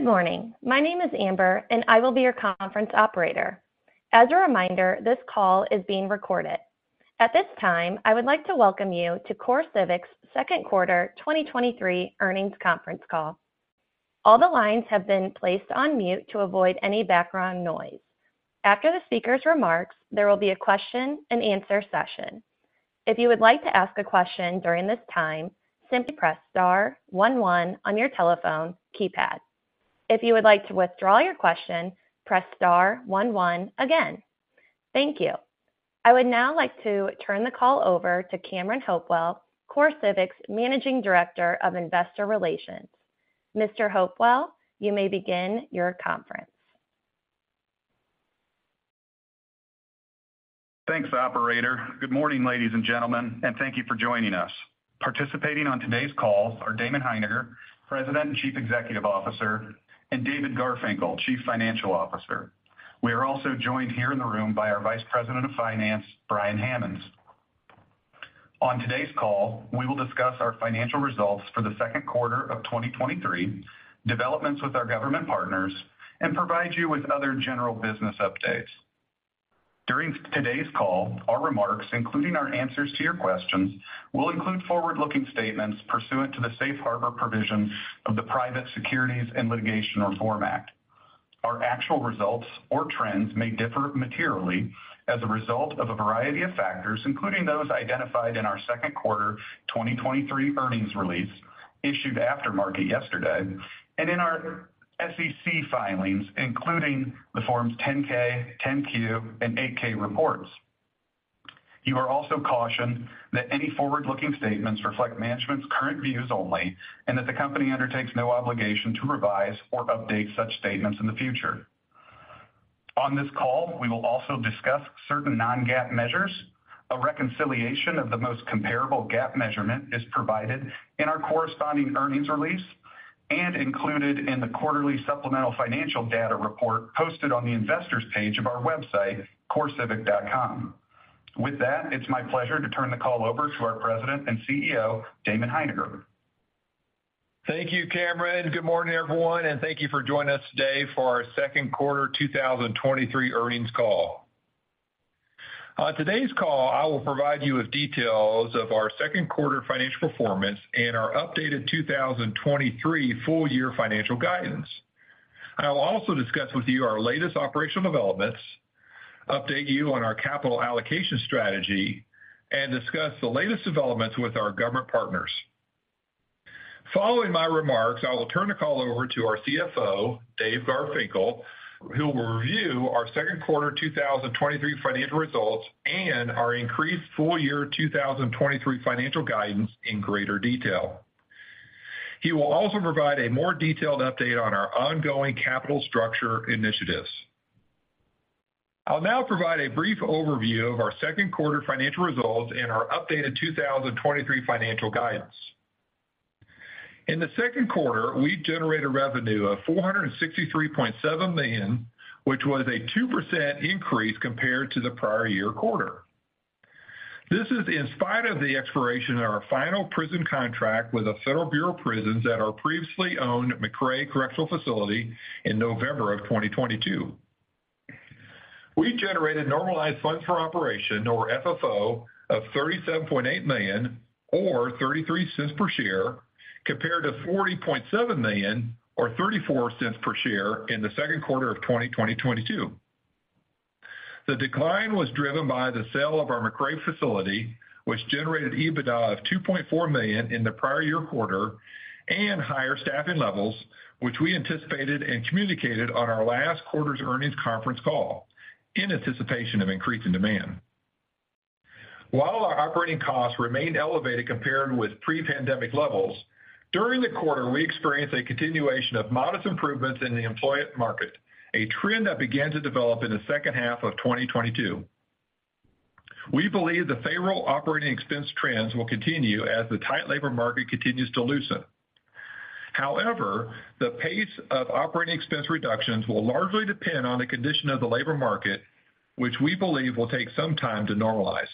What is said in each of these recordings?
Good morning. My name is Amber, and I will be your conference operator. As a reminder, this call is being recorded. At this time, I would like to welcome you to CoreCivic's second quarter 2023 earnings conference call. All the lines have been placed on mute to avoid any background noise. After the speaker's remarks, there will be a question-and-answer session. If you would like to ask a question during this time, simply press * 1 1 on your telephone keypad. If you would like to withdraw your question, press * 1 1 again. Thank you. I would now like to turn the call over to Cameron Hopewell, CoreCivic's Managing Director of Investor Relations. Mr. Hopewell, you may begin your conference. Thanks, operator. Good morning, ladies and gentlemen, and thank you for joining us. Participating on today's call are Damon Hininger, President and Chief Executive Officer, and David Garfinkel, Chief Financial Officer. We are also joined here in the room by our Vice President of Finance, Brian Hammons. On today's call, we will discuss our financial results for the second quarter of 2023, developments with our government partners, and provide you with other general business updates. During today's call, our remarks, including our answers to your questions, will include forward-looking statements pursuant to the safe harbor provisions of the Private Securities and Litigation Reform Act. Our actual results or trends may differ materially as a result of a variety of factors, including those identified in our second quarter 2023 earnings release issued after market yesterday, and in our SEC filings, including the Forms 10-K, 10-Q, and 8-K reports. You are also cautioned that any forward-looking statements reflect management's current views only, and that the company undertakes no obligation to revise or update such statements in the future. On this call, we will also discuss certain non-GAAP measures. A reconciliation of the most comparable GAAP measurement is provided in our corresponding earnings release and included in the quarterly supplemental financial data report posted on the investors page of our website, CoreCivic.com. With that, it's my pleasure to turn the call over to our President and CEO, Damon T. Hininger. Thank you, Cameron. Good morning, everyone, and thank you for joining us today for our second quarter 2023 earnings call. On today's call, I will provide you with details of our second quarter financial performance and our updated 2023 full year financial guidance. I will also discuss with you our latest operational developments, update you on our capital allocation strategy, and discuss the latest developments with our government partners. Following my remarks, I will turn the call over to our CFO, Dave Garfinkel, who will review our second quarter 2023 financial results and our increased full year 2023 financial guidance in greater detail. He will also provide a more detailed update on our ongoing capital structure initiatives. I'll now provide a brief overview of our second quarter financial results and our updated 2023 financial guidance. In the second quarter, we generated revenue of $463.7 million, which was a 2% increase compared to the prior year quarter. This is in spite of the expiration of our final prison contract with the Federal Bureau of Prisons at our previously owned McRae Correctional Facility in November of 2022. We generated normalized funds for operation, or FFO, of $37.8 million, or $0.33 per share, compared to $40.7 million, or $0.34 per share in the second quarter of 2022. The decline was driven by the sale of our McCray facility, which generated EBITDA of $2.4 million in the prior year quarter, and higher staffing levels, which we anticipated and communicated on our last quarter's earnings conference call in anticipation of increasing demand. While our operating costs remained elevated compared with pre-pandemic levels, during the quarter, we experienced a continuation of modest improvements in the employment market, a trend that began to develop in the second half of 2022. We believe the favorable operating expense trends will continue as the tight labor market continues to loosen. However, the pace of operating expense reductions will largely depend on the condition of the labor market, which we believe will take some time to normalize.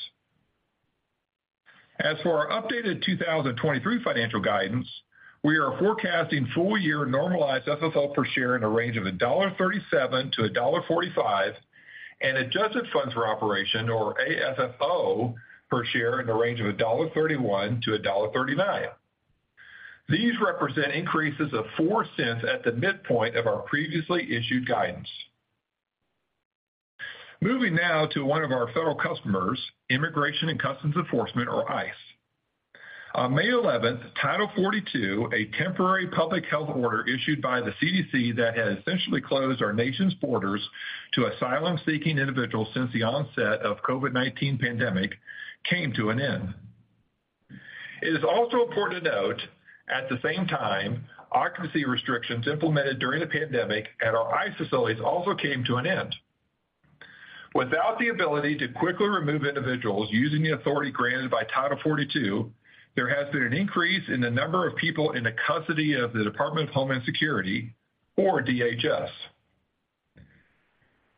As for our updated 2023 financial guidance, we are forecasting full-year normalized FFO per share in a range of $1.37-$1.45, and adjusted funds for operation, or AFFO, per share in the range of $1.31-$1.39. These represent increases of $0.04 at the midpoint of our previously issued guidance. Moving now to one of our federal customers, Immigration and Customs Enforcement, or ICE. On May eleventh, Title 42, a temporary public health order issued by the CDC that has essentially closed our nation's borders to asylum-seeking individuals since the onset of COVID-19 pandemic, came to an end. It is also important to note, at the same time, occupancy restrictions implemented during the pandemic at our ICE facilities also came to an end. Without the ability to quickly remove individuals using the authority granted by Title 42, there has been an increase in the number of people in the custody of the Department of Homeland Security, or DHS.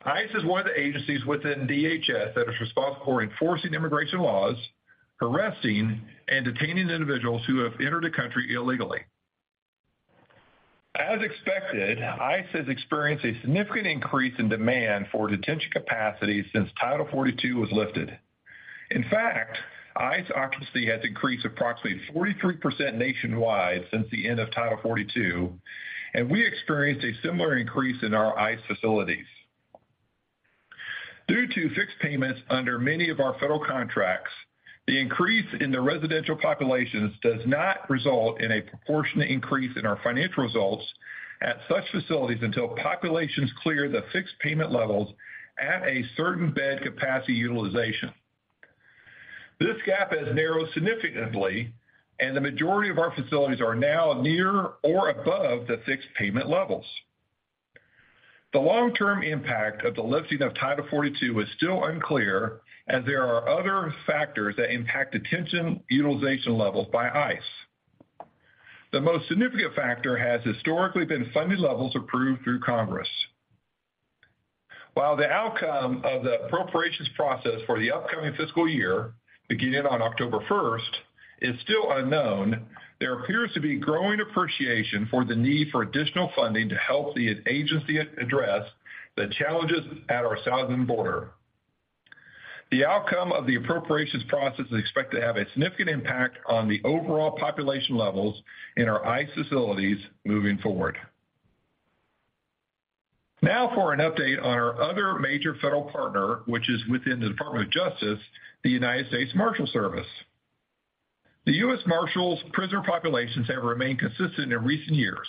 ICE is one of the agencies within DHS that is responsible for enforcing immigration laws, arresting, and detaining individuals who have entered the country illegally. As expected, ICE has experienced a significant increase in demand for detention capacity since Title 42 was lifted. In fact, ICE occupancy has increased approximately 43% nationwide since the end of Title 42, we experienced a similar increase in our ICE facilities. Due to fixed payments under many of our federal contracts, the increase in the residential populations does not result in a proportionate increase in our financial results at such facilities until populations clear the fixed payment levels at a certain bed capacity utilization. This gap has narrowed significantly, the majority of our facilities are now near or above the fixed payment levels. The long-term impact of the lifting of Title 42 is still unclear, there are other factors that impact detention utilization levels by ICE. The most significant factor has historically been funding levels approved through Congress. While the outcome of the appropriations process for the upcoming fiscal year, beginning on October first, is still unknown, there appears to be growing appreciation for the need for additional funding to help the agency address the challenges at our southern border. The outcome of the appropriations process is expected to have a significant impact on the overall population levels in our ICE facilities moving forward. For an update on our other major federal partner, which is within the Department of Justice, the United States Marshals Service. The U.S. Marshals prisoner populations have remained consistent in recent years,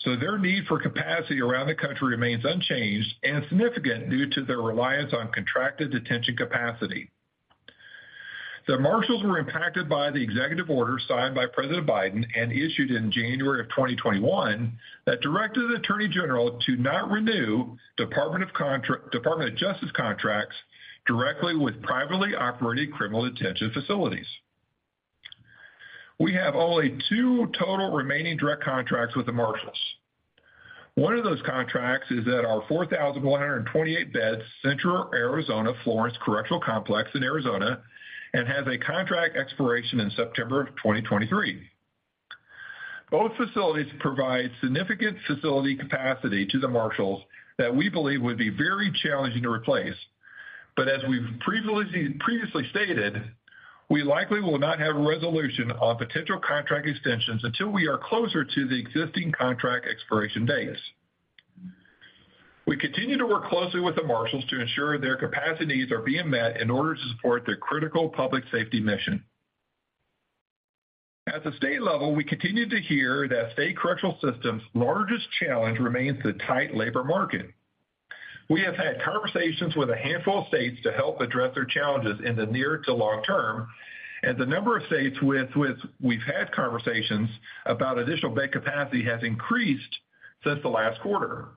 so their need for capacity around the country remains unchanged and significant due to their reliance on contracted detention capacity. The Marshals were impacted by the executive order signed by President Biden and issued in January of 2021, that directed the Attorney General to not renew Department of Justice contracts directly with privately operated criminal detention facilities. We have only 2 total remaining direct contracts with the Marshals. One of those contracts is at our 4,128 bed Central Arizona Florence Correctional Complex in Arizona and has a contract expiration in September of 2023. Both facilities provide significant facility capacity to the Marshals that we believe would be very challenging to replace. As we've previously stated, we likely will not have a resolution on potential contract extensions until we are closer to the existing contract expiration dates. We continue to work closely with the marshals to ensure their capacities are being met in order to support their critical public safety mission. At the state level, we continue to hear that state correctional systems' largest challenge remains the tight labor market. We have had conversations with a handful of states to help address their challenges in the near to long term, and the number of states with we've had conversations about additional bed capacity has increased since the last quarter.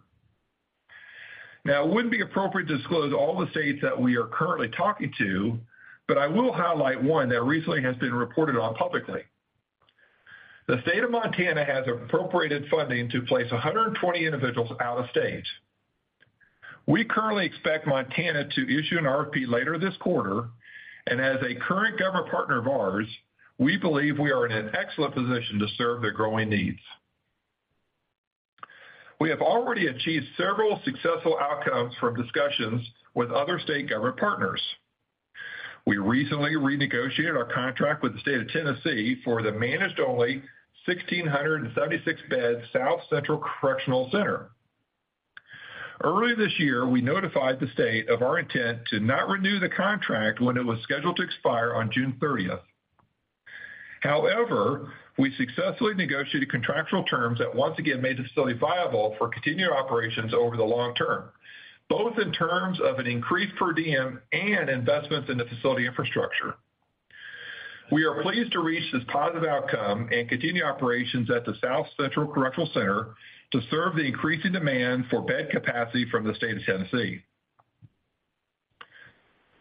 It wouldn't be appropriate to disclose all the states that we are currently talking to, but I will highlight one that recently has been reported on publicly. The state of Montana has appropriated funding to place 120 individuals out of state. We currently expect Montana to issue an RFP later this quarter. As a current government partner of ours, we believe we are in an excellent position to serve their growing needs. We have already achieved several successful outcomes from discussions with other state government partners. We recently renegotiated our contract with the state of Tennessee for the managed-only 1,676-bed South Central Correctional Center. Early this year, we notified the state of our intent to not renew the contract when it was scheduled to expire on June 30th. We successfully negotiated contractual terms that once again made the facility viable for continued operations over the long term, both in terms of an increased per diem and investments in the facility infrastructure. We are pleased to reach this positive outcome and continue operations at the South Central Correctional Center to serve the increasing demand for bed capacity from the state of Tennessee.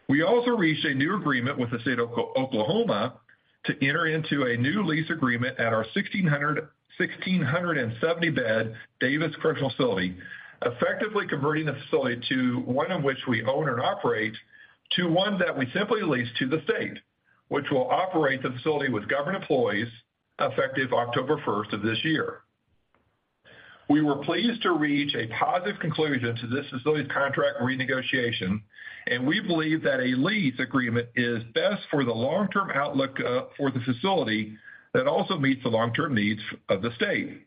We also reached a new agreement with the state of Oklahoma to enter into a new lease agreement at our 1,670-bed Davis Correctional Facility, effectively converting the facility to one in which we own and operate, to one that we simply lease to the state, which will operate the facility with government employees effective October 1 of this year. We were pleased to reach a positive conclusion to this facility's contract renegotiation, and we believe that a lease agreement is best for the long-term outlook for the facility that also meets the long-term needs of the state.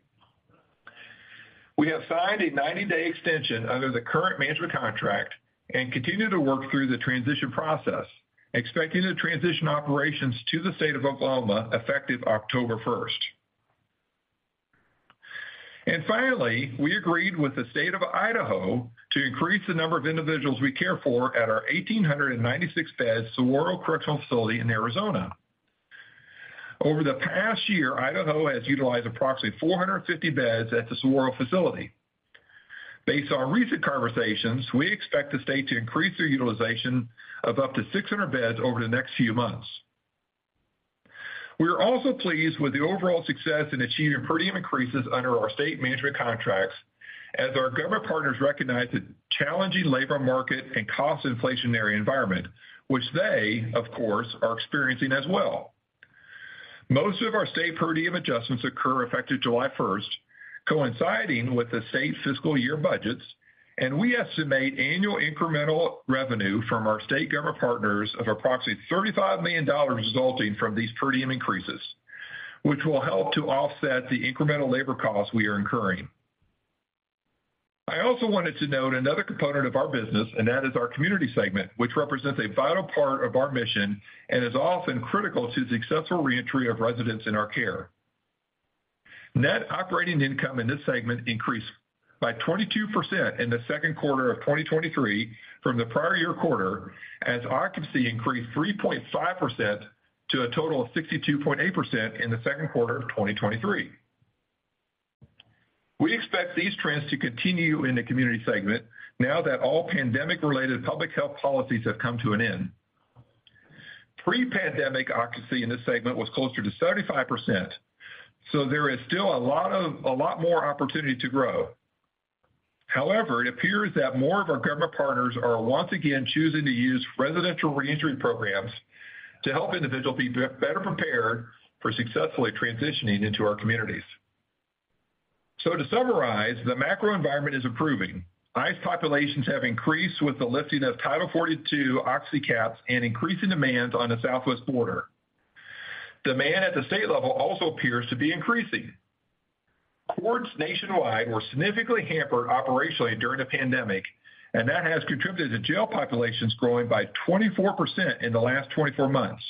We have signed a 90-day extension under the current management contract and continue to work through the transition process, expecting to transition operations to the state of Oklahoma effective October 1st. Finally, we agreed with the state of Idaho to increase the number of individuals we care for at our 1,896-bed Saguaro Correctional Facility in Arizona. Over the past year, Idaho has utilized approximately 450 beds at the Saguaro facility. Based on recent conversations, we expect the state to increase their utilization of up to 600 beds over the next few months. We are also pleased with the overall success in achieving per diem increases under our state management contracts, as our government partners recognize the challenging labor market and cost inflationary environment, which they, of course, are experiencing as well. Most of our state per diem adjustments occur effective July first, coinciding with the state's fiscal year budgets, and we estimate annual incremental revenue from our state government partners of approximately $35 million resulting from these per diem increases, which will help to offset the incremental labor costs we are incurring. I also wanted to note another component of our business, and that is our community segment, which represents a vital part of our mission and is often critical to the successful reentry of residents in our care. Net operating income in this segment increased by 22% in the second quarter of 2023 from the prior year quarter, as occupancy increased 3.5% to a total of 62.8% in the second quarter of 2023. We expect these trends to continue in the community segment now that all pandemic-related public health policies have come to an end. Pre-pandemic occupancy in this segment was closer to 35%, so there is still a lot of, a lot more opportunity to grow. However, it appears that more of our government partners are once again choosing to use residential reentry programs to help individuals better prepared for successfully transitioning into our communities. To summarize, the macro environment is improving. ICE populations have increased with the lifting of Title 42 oxy caps and increasing demands on the Southwest border. Demand at the state level also appears to be increasing. Courts nationwide were significantly hampered operationally during the pandemic, and that has contributed to jail populations growing by 24% in the last 24 months.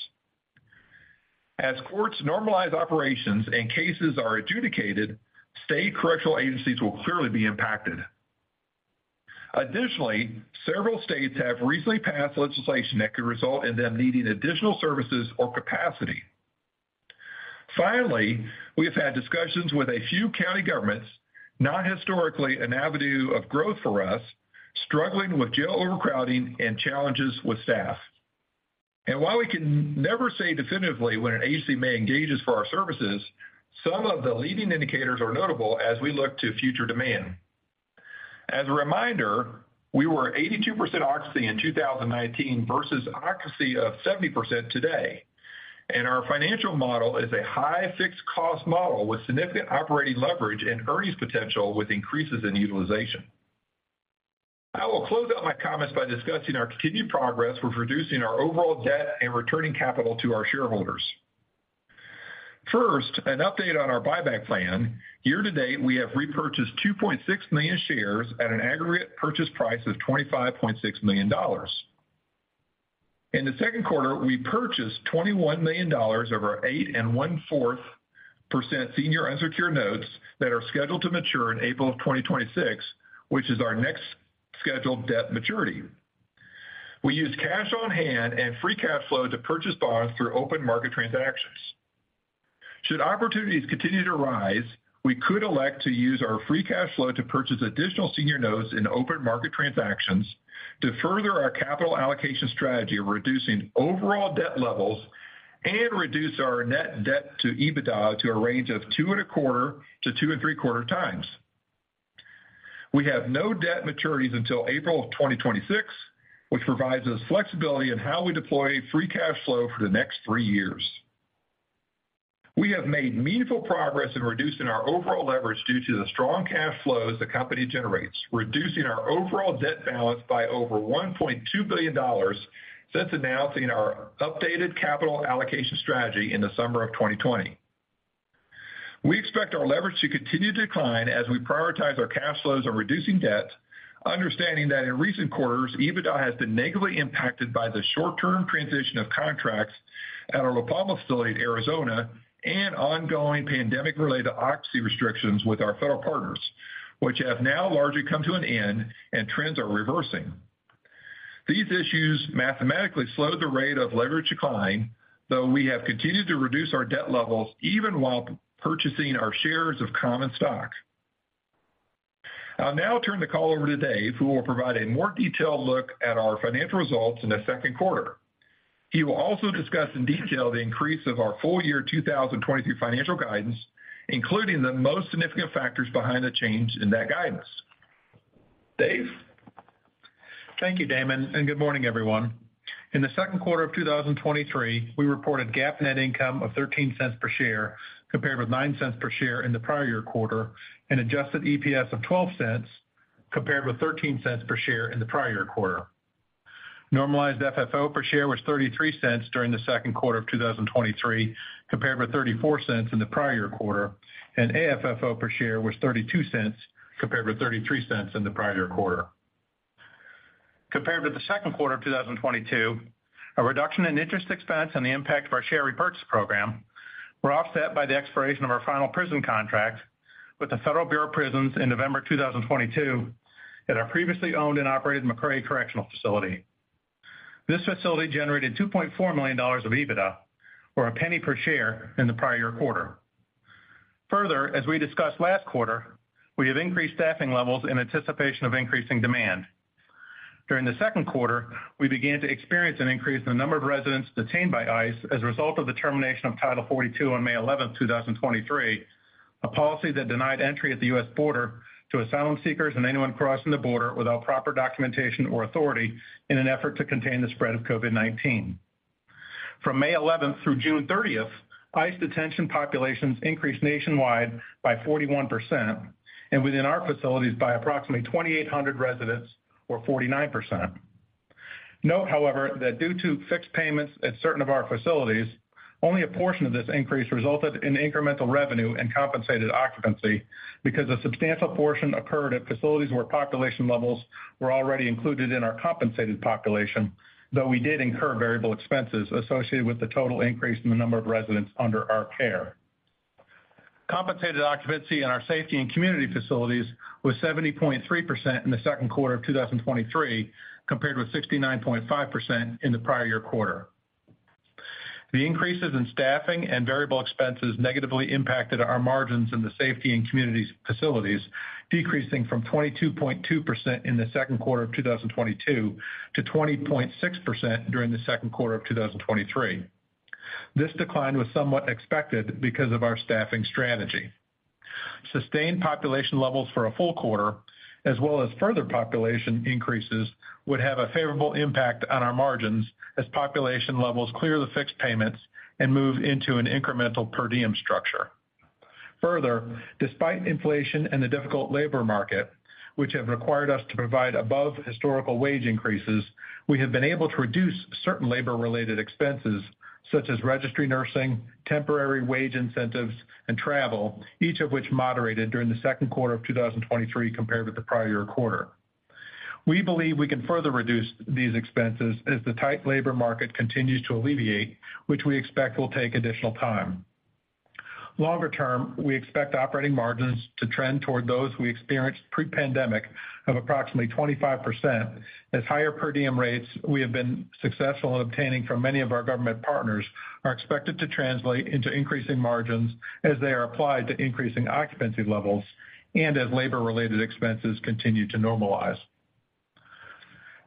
As courts normalize operations and cases are adjudicated, state correctional agencies will clearly be impacted. Additionally, several states have recently passed legislation that could result in them needing additional services or capacity. Finally, we have had discussions with a few county governments, not historically an avenue of growth for us, struggling with jail overcrowding and challenges with staff. While we can never say definitively when an agency may engages for our services, some of the leading indicators are notable as we look to future demand. As a reminder, we were at 82% occupancy in 2019 versus occupancy of 70% today, and our financial model is a high fixed cost model with significant operating leverage and earnings potential with increases in utilization. I will close out my comments by discussing our continued progress with reducing our overall debt and returning capital to our shareholders. First, an update on our buyback plan. Year to date, we have repurchased 2.6 million shares at an aggregate purchase price of $25.6 million. In the second quarter, we purchased $21 million of our 8.25% senior unsecured notes that are scheduled to mature in April 2026, which is our next scheduled debt maturity. We used cash on hand and free cash flow to purchase bonds through open market transactions. Should opportunities continue to rise, we could elect to use our free cash flow to purchase additional senior notes in open market transactions to further our capital allocation strategy of reducing overall debt levels and reduce our net debt to EBITDA to a range of 2.25x-2.75x. We have no debt maturities until April of 2026, which provides us flexibility in how we deploy free cash flow for the next 3 years. We have made meaningful progress in reducing our overall leverage due to the strong cash flows the company generates, reducing our overall debt balance by over $1.2 billion since announcing our updated capital allocation strategy in the summer of 2020. We expect our leverage to continue to decline as we prioritize our cash flows on reducing debt, understanding that in recent quarters, EBITDA has been negatively impacted by the short-term transition of contracts at our La Palma facility in Arizona and ongoing pandemic-related oxy restrictions with our federal partners, which have now largely come to an end and trends are reversing. These issues mathematically slowed the rate of leverage decline, though we have continued to reduce our debt levels even while purchasing our shares of common stock. I'll now turn the call over to Dave, who will provide a more detailed look at our financial results in the second quarter. He will also discuss in detail the increase of our full year 2023 financial guidance, including the most significant factors behind the change in that guidance. Dave? Thank you, Damon, and good morning, everyone. In the second quarter 2023, we reported GAAP net income of $0.13 per share, compared with $0.09 per share in the prior year quarter, and adjusted EPS of $0.12, compared with $0.13 per share in the prior year quarter. Normalized FFO per share was $0.33 during the second quarter 2023, compared with $0.34 in the prior year quarter, and AFFO per share was $0.32, compared with $0.33 in the prior year quarter. Compared to the second quarter 2022, a reduction in interest expense and the impact of our share repurchase program were offset by the expiration of our final prison contract with the Federal Bureau of Prisons in November 2022 at our previously owned and operated McRae Correctional Facility. This facility generated $2.4 million of EBITDA, or $0.01 per share, in the prior year quarter. Further, as we discussed last quarter, we have increased staffing levels in anticipation of increasing demand. During the second quarter, we began to experience an increase in the number of residents detained by ICE as a result of the termination of Title 42 on May 11, 2023, a policy that denied entry at the U.S. border to asylum seekers and anyone crossing the border without proper documentation or authority in an effort to contain the spread of COVID-19. From May 11 through June 30, ICE detention populations increased nationwide by 41%, and within our facilities by approximately 2,800 residents, or 49%. Note, however, that due to fixed payments at certain of our facilities, only a portion of this increase resulted in incremental revenue and compensated occupancy, because a substantial portion occurred at facilities where population levels were already included in our compensated population, though we did incur variable expenses associated with the total increase in the number of residents under our care. Compensated occupancy in our safety and community facilities was 70.3% in the second quarter of 2023, compared with 69.5% in the prior year quarter. The increases in staffing and variable expenses negatively impacted our margins in the safety and communities facilities, decreasing from 22.2% in the second quarter of 2022 to 20.6% during the second quarter of 2023. This decline was somewhat expected because of our staffing strategy. Sustained population levels for a full quarter, as well as further population increases, would have a favorable impact on our margins as population levels clear the fixed payments and move into an incremental per diem structure. Further, despite inflation and the difficult labor market, which have required us to provide above historical wage increases, we have been able to reduce certain labor-related expenses, such as registry nursing, temporary wage incentives, and travel, each of which moderated during the second quarter of 2023 compared with the prior year quarter. We believe we can further reduce these expenses as the tight labor market continues to alleviate, which we expect will take additional time. Longer term, we expect operating margins to trend toward those we experienced pre-pandemic of approximately 25%, as higher per diem rates we have been successful in obtaining from many of our government partners are expected to translate into increasing margins as they are applied to increasing occupancy levels and as labor-related expenses continue to normalize.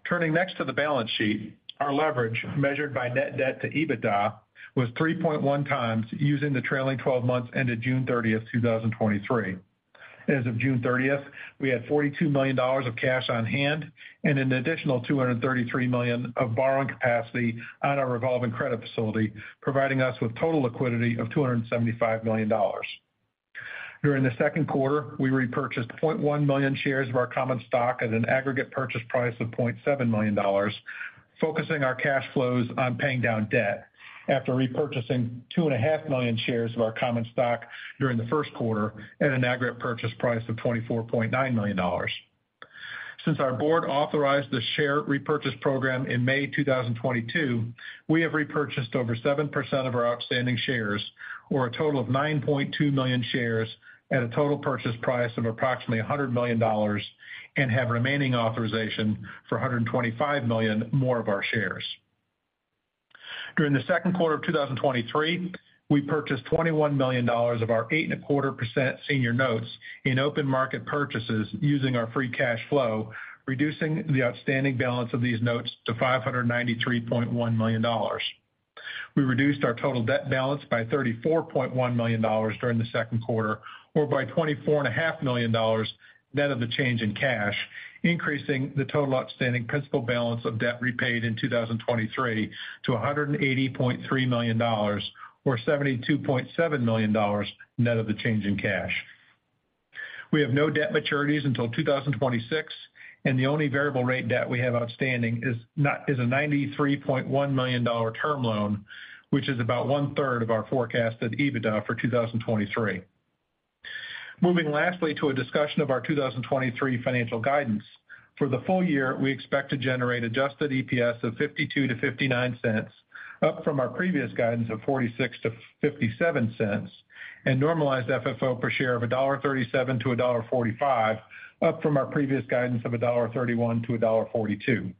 Turning next to the balance sheet, our leverage, measured by net debt to EBITDA, was 3.1x using the trailing 12 months ended June 30th, 2023. As of June 30th, we had $42 million of cash on hand and an additional $233 million of borrowing capacity on our revolving credit facility, providing us with total liquidity of $275 million. During the second quarter, we repurchased 0.1 million shares of our common stock at an aggregate purchase price of $0.7 million, focusing our cash flows on paying down debt after repurchasing 2.5 million shares of our common stock during the first quarter at an aggregate purchase price of $24.9 million. Since our board authorized the share repurchase program in May 2022, we have repurchased over 7% of our outstanding shares, or a total of 9.2 million shares at a total purchase price of approximately $100 million, and have remaining authorization for $125 million more of our shares. During the second quarter of 2023, we purchased $21 million of our 8.25% senior notes in open market purchases using our free cash flow, reducing the outstanding balance of these notes to $593.1 million. We reduced our total debt balance by $34.1 million during the second quarter, or by $24.5 million net of the change in cash, increasing the total outstanding principal balance of debt repaid in 2023 to $180.3 million, or $72.7 million net of the change in cash. We have no debt maturities until 2026, and the only variable rate debt we have outstanding is a $93.1 million term loan, which is about 1/3 of our forecasted EBITDA for 2023. Moving lastly to a discussion of our 2023 financial guidance. For the full year, we expect to generate adjusted EPS of $0.52-$0.59, up from our previous guidance of $0.46-$0.57, and normalized FFO per share of $1.37-$1.45, up from our previous guidance of $1.31-$1.42.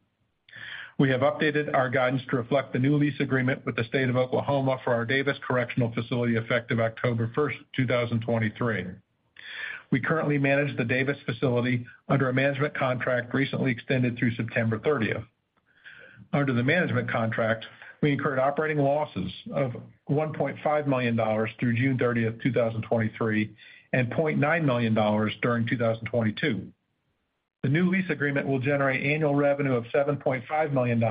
We have updated our guidance to reflect the new lease agreement with the state of Oklahoma for our Davis Correctional Facility, effective October 1, 2023. We currently manage the Davis facility under a management contract recently extended through September 30. Under the management contract, we incurred operating losses of $1.5 million through June 30, 2023, and $0.9 million during 2022. The new lease agreement will generate annual revenue of $7.5 million,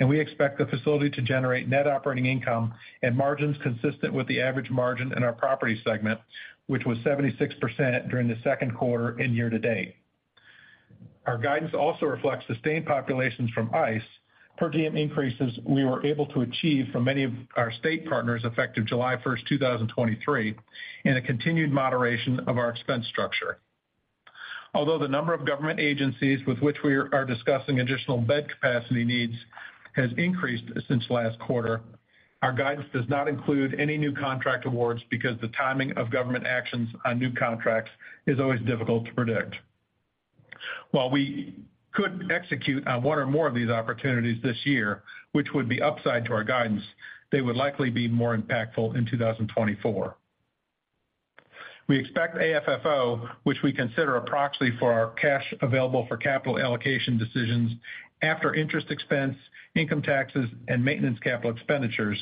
and we expect the facility to generate net operating income and margins consistent with the average margin in our property segment, which was 76% during the second quarter and year-to-date. Our guidance also reflects sustained populations from ICE, per diem increases we were able to achieve from many of our state partners effective July 1, 2023, and a continued moderation of our expense structure. Although the number of government agencies with which we are discussing additional bed capacity needs has increased since last quarter, our guidance does not include any new contract awards because the timing of government actions on new contracts is always difficult to predict. While we could execute on one or more of these opportunities this year, which would be upside to our guidance, they would likely be more impactful in 2024. We expect AFFO, which we consider approximately for our cash available for capital allocation decisions after interest expense, income taxes, and maintenance capital expenditures,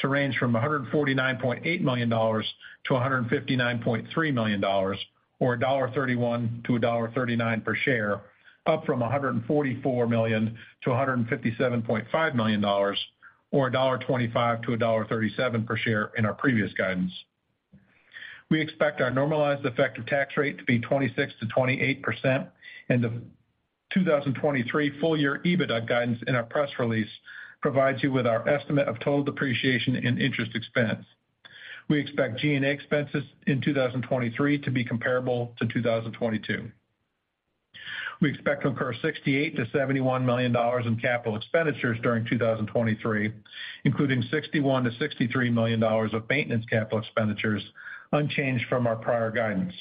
to range from $149.8 million-$159.3 million, or $1.31-$1.39 per share, up from $144 million-$157.5 million, or $1.25-$1.37 per share in our previous guidance. We expect our normalized effective tax rate to be 26%-28%. The 2023 full-year EBITDA guidance in our press release provides you with our estimate of total depreciation and interest expense. We expect G&A expenses in 2023 to be comparable to 2022. We expect to incur $68 million-$71 million in capital expenditures during 2023, including $61 million-$63 million of maintenance capital expenditures, unchanged from our prior guidance.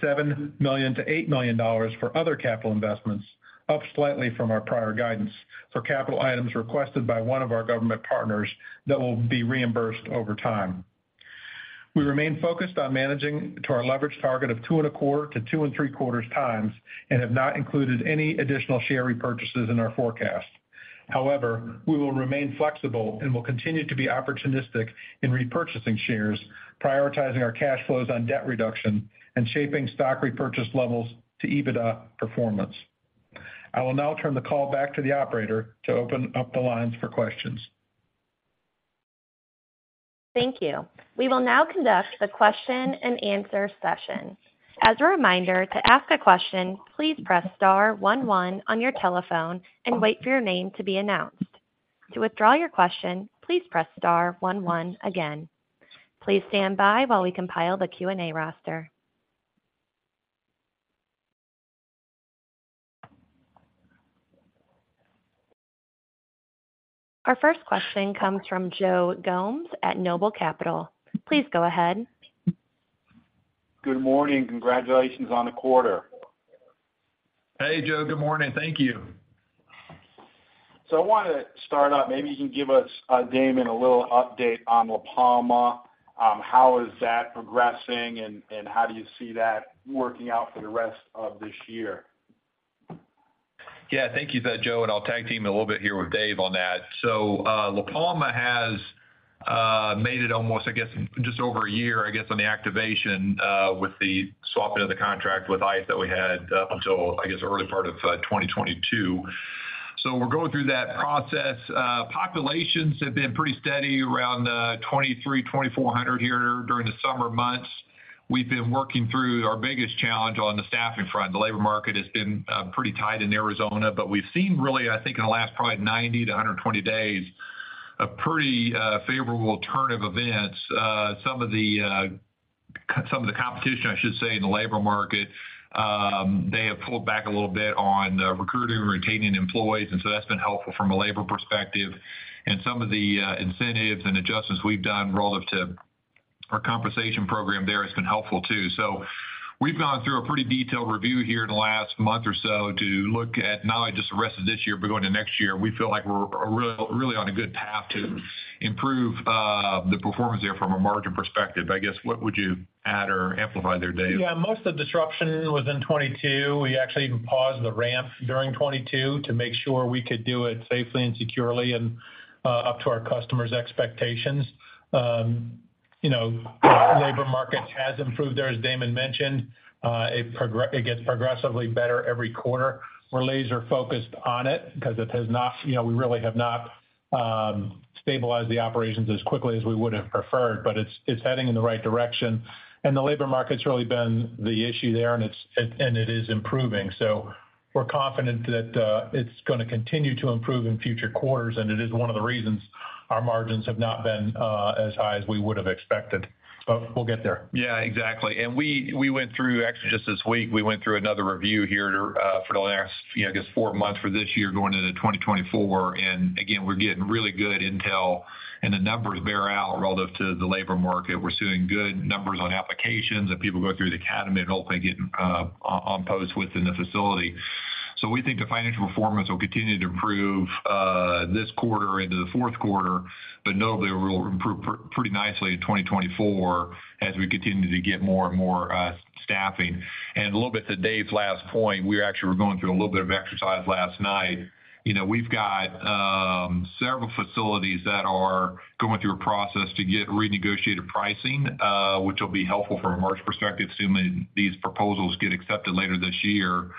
Seven million to eight million dollars for other capital investments, up slightly from our prior guidance for capital items requested by one of our government partners that will be reimbursed over time. We remain focused on managing to our leverage target of 2.25x-2.75x, and have not included any additional share repurchases in our forecast. However, we will remain flexible and will continue to be opportunistic in repurchasing shares, prioritizing our cash flows on debt reduction and shaping stock repurchase levels to EBITDA performance. I will now turn the call back to the operator to open up the lines for questions. Thank you. We will now conduct the question-and-answer session. As a reminder, to ask a question, please press * 1 1 on your telephone and wait for your name to be announced. To withdraw your question, please press * 1 1 again. Please stand by while we compile the Q&A roster. Our first question comes from Joe Gomes at Noble Capital. Please go ahead. Good morning. Congratulations on the quarter. Hey, Joe. Good morning. Thank you. I want to start out, maybe you can give us, Damon, a little update on La Palma. How is that progressing, and, and how do you see that working out for the rest of this year? Yeah, thank you for that, Joe, and I'll tag team a little bit here with Dave on that. La Palma has made it almost, I guess, just over a year, I guess, on the activation, with the swapping of the contract with ICE that we had until, I guess, early part of 2022. We're going through that process. Populations have been pretty steady around 2,300-2,400 here during the summer months. We've been working through our biggest challenge on the staffing front. The labor market has been pretty tight in Arizona, but we've seen really, I think, in the last probably 90-120 days, a pretty favorable turn of events. Some of the, some of the competition, I should say, in the labor market, they have pulled back a little bit on recruiting and retaining employees, that's been helpful from a labor perspective. Some of the incentives and adjustments we've done relative to our compensation program there has been helpful too. We've gone through a pretty detailed review here in the last month or so to look at not only just the rest of this year, but going to next year. We feel like we're really on a good path to improve the performance there from a margin perspective. I guess, what would you add or amplify there, Dave? Yeah, most of the disruption was in 2022. We actually even paused the ramp during 2022 to make sure we could do it safely and securely and up to our customers' expectations. You know, labor market has improved there, as Damon mentioned. It gets progressively better every quarter. We're laser focused on it because it has not, you know, we really have not stabilized the operations as quickly as we would have preferred, but it's, it's heading in the right direction. The labor market's really been the issue there, and it is improving. We're confident that it's gonna continue to improve in future quarters, and it is 1 of the reasons our margins have not been as high as we would have expected, but we'll get there. Yeah, exactly. We, we went through, actually just this week, we went through another review here, for the last, I guess, 4 months for this year, going into 2024. Again, we're getting really good intel, and the numbers bear out relative to the labor market. We're seeing good numbers on applications and people going through the academy and hopefully getting on, on post within the facility. So, we think the financial performance will continue to improve this quarter into the 4th quarter, but notably, we'll improve pre- pretty nicely in 2024 as we continue to get more and more staffing. A little bit to Dave's last point, we actually were going through a little bit of exercise last night. You know, we've got several facilities that are going through a process to get renegotiated pricing, which will be helpful from a margin perspective, assuming these proposals get accepted later this year,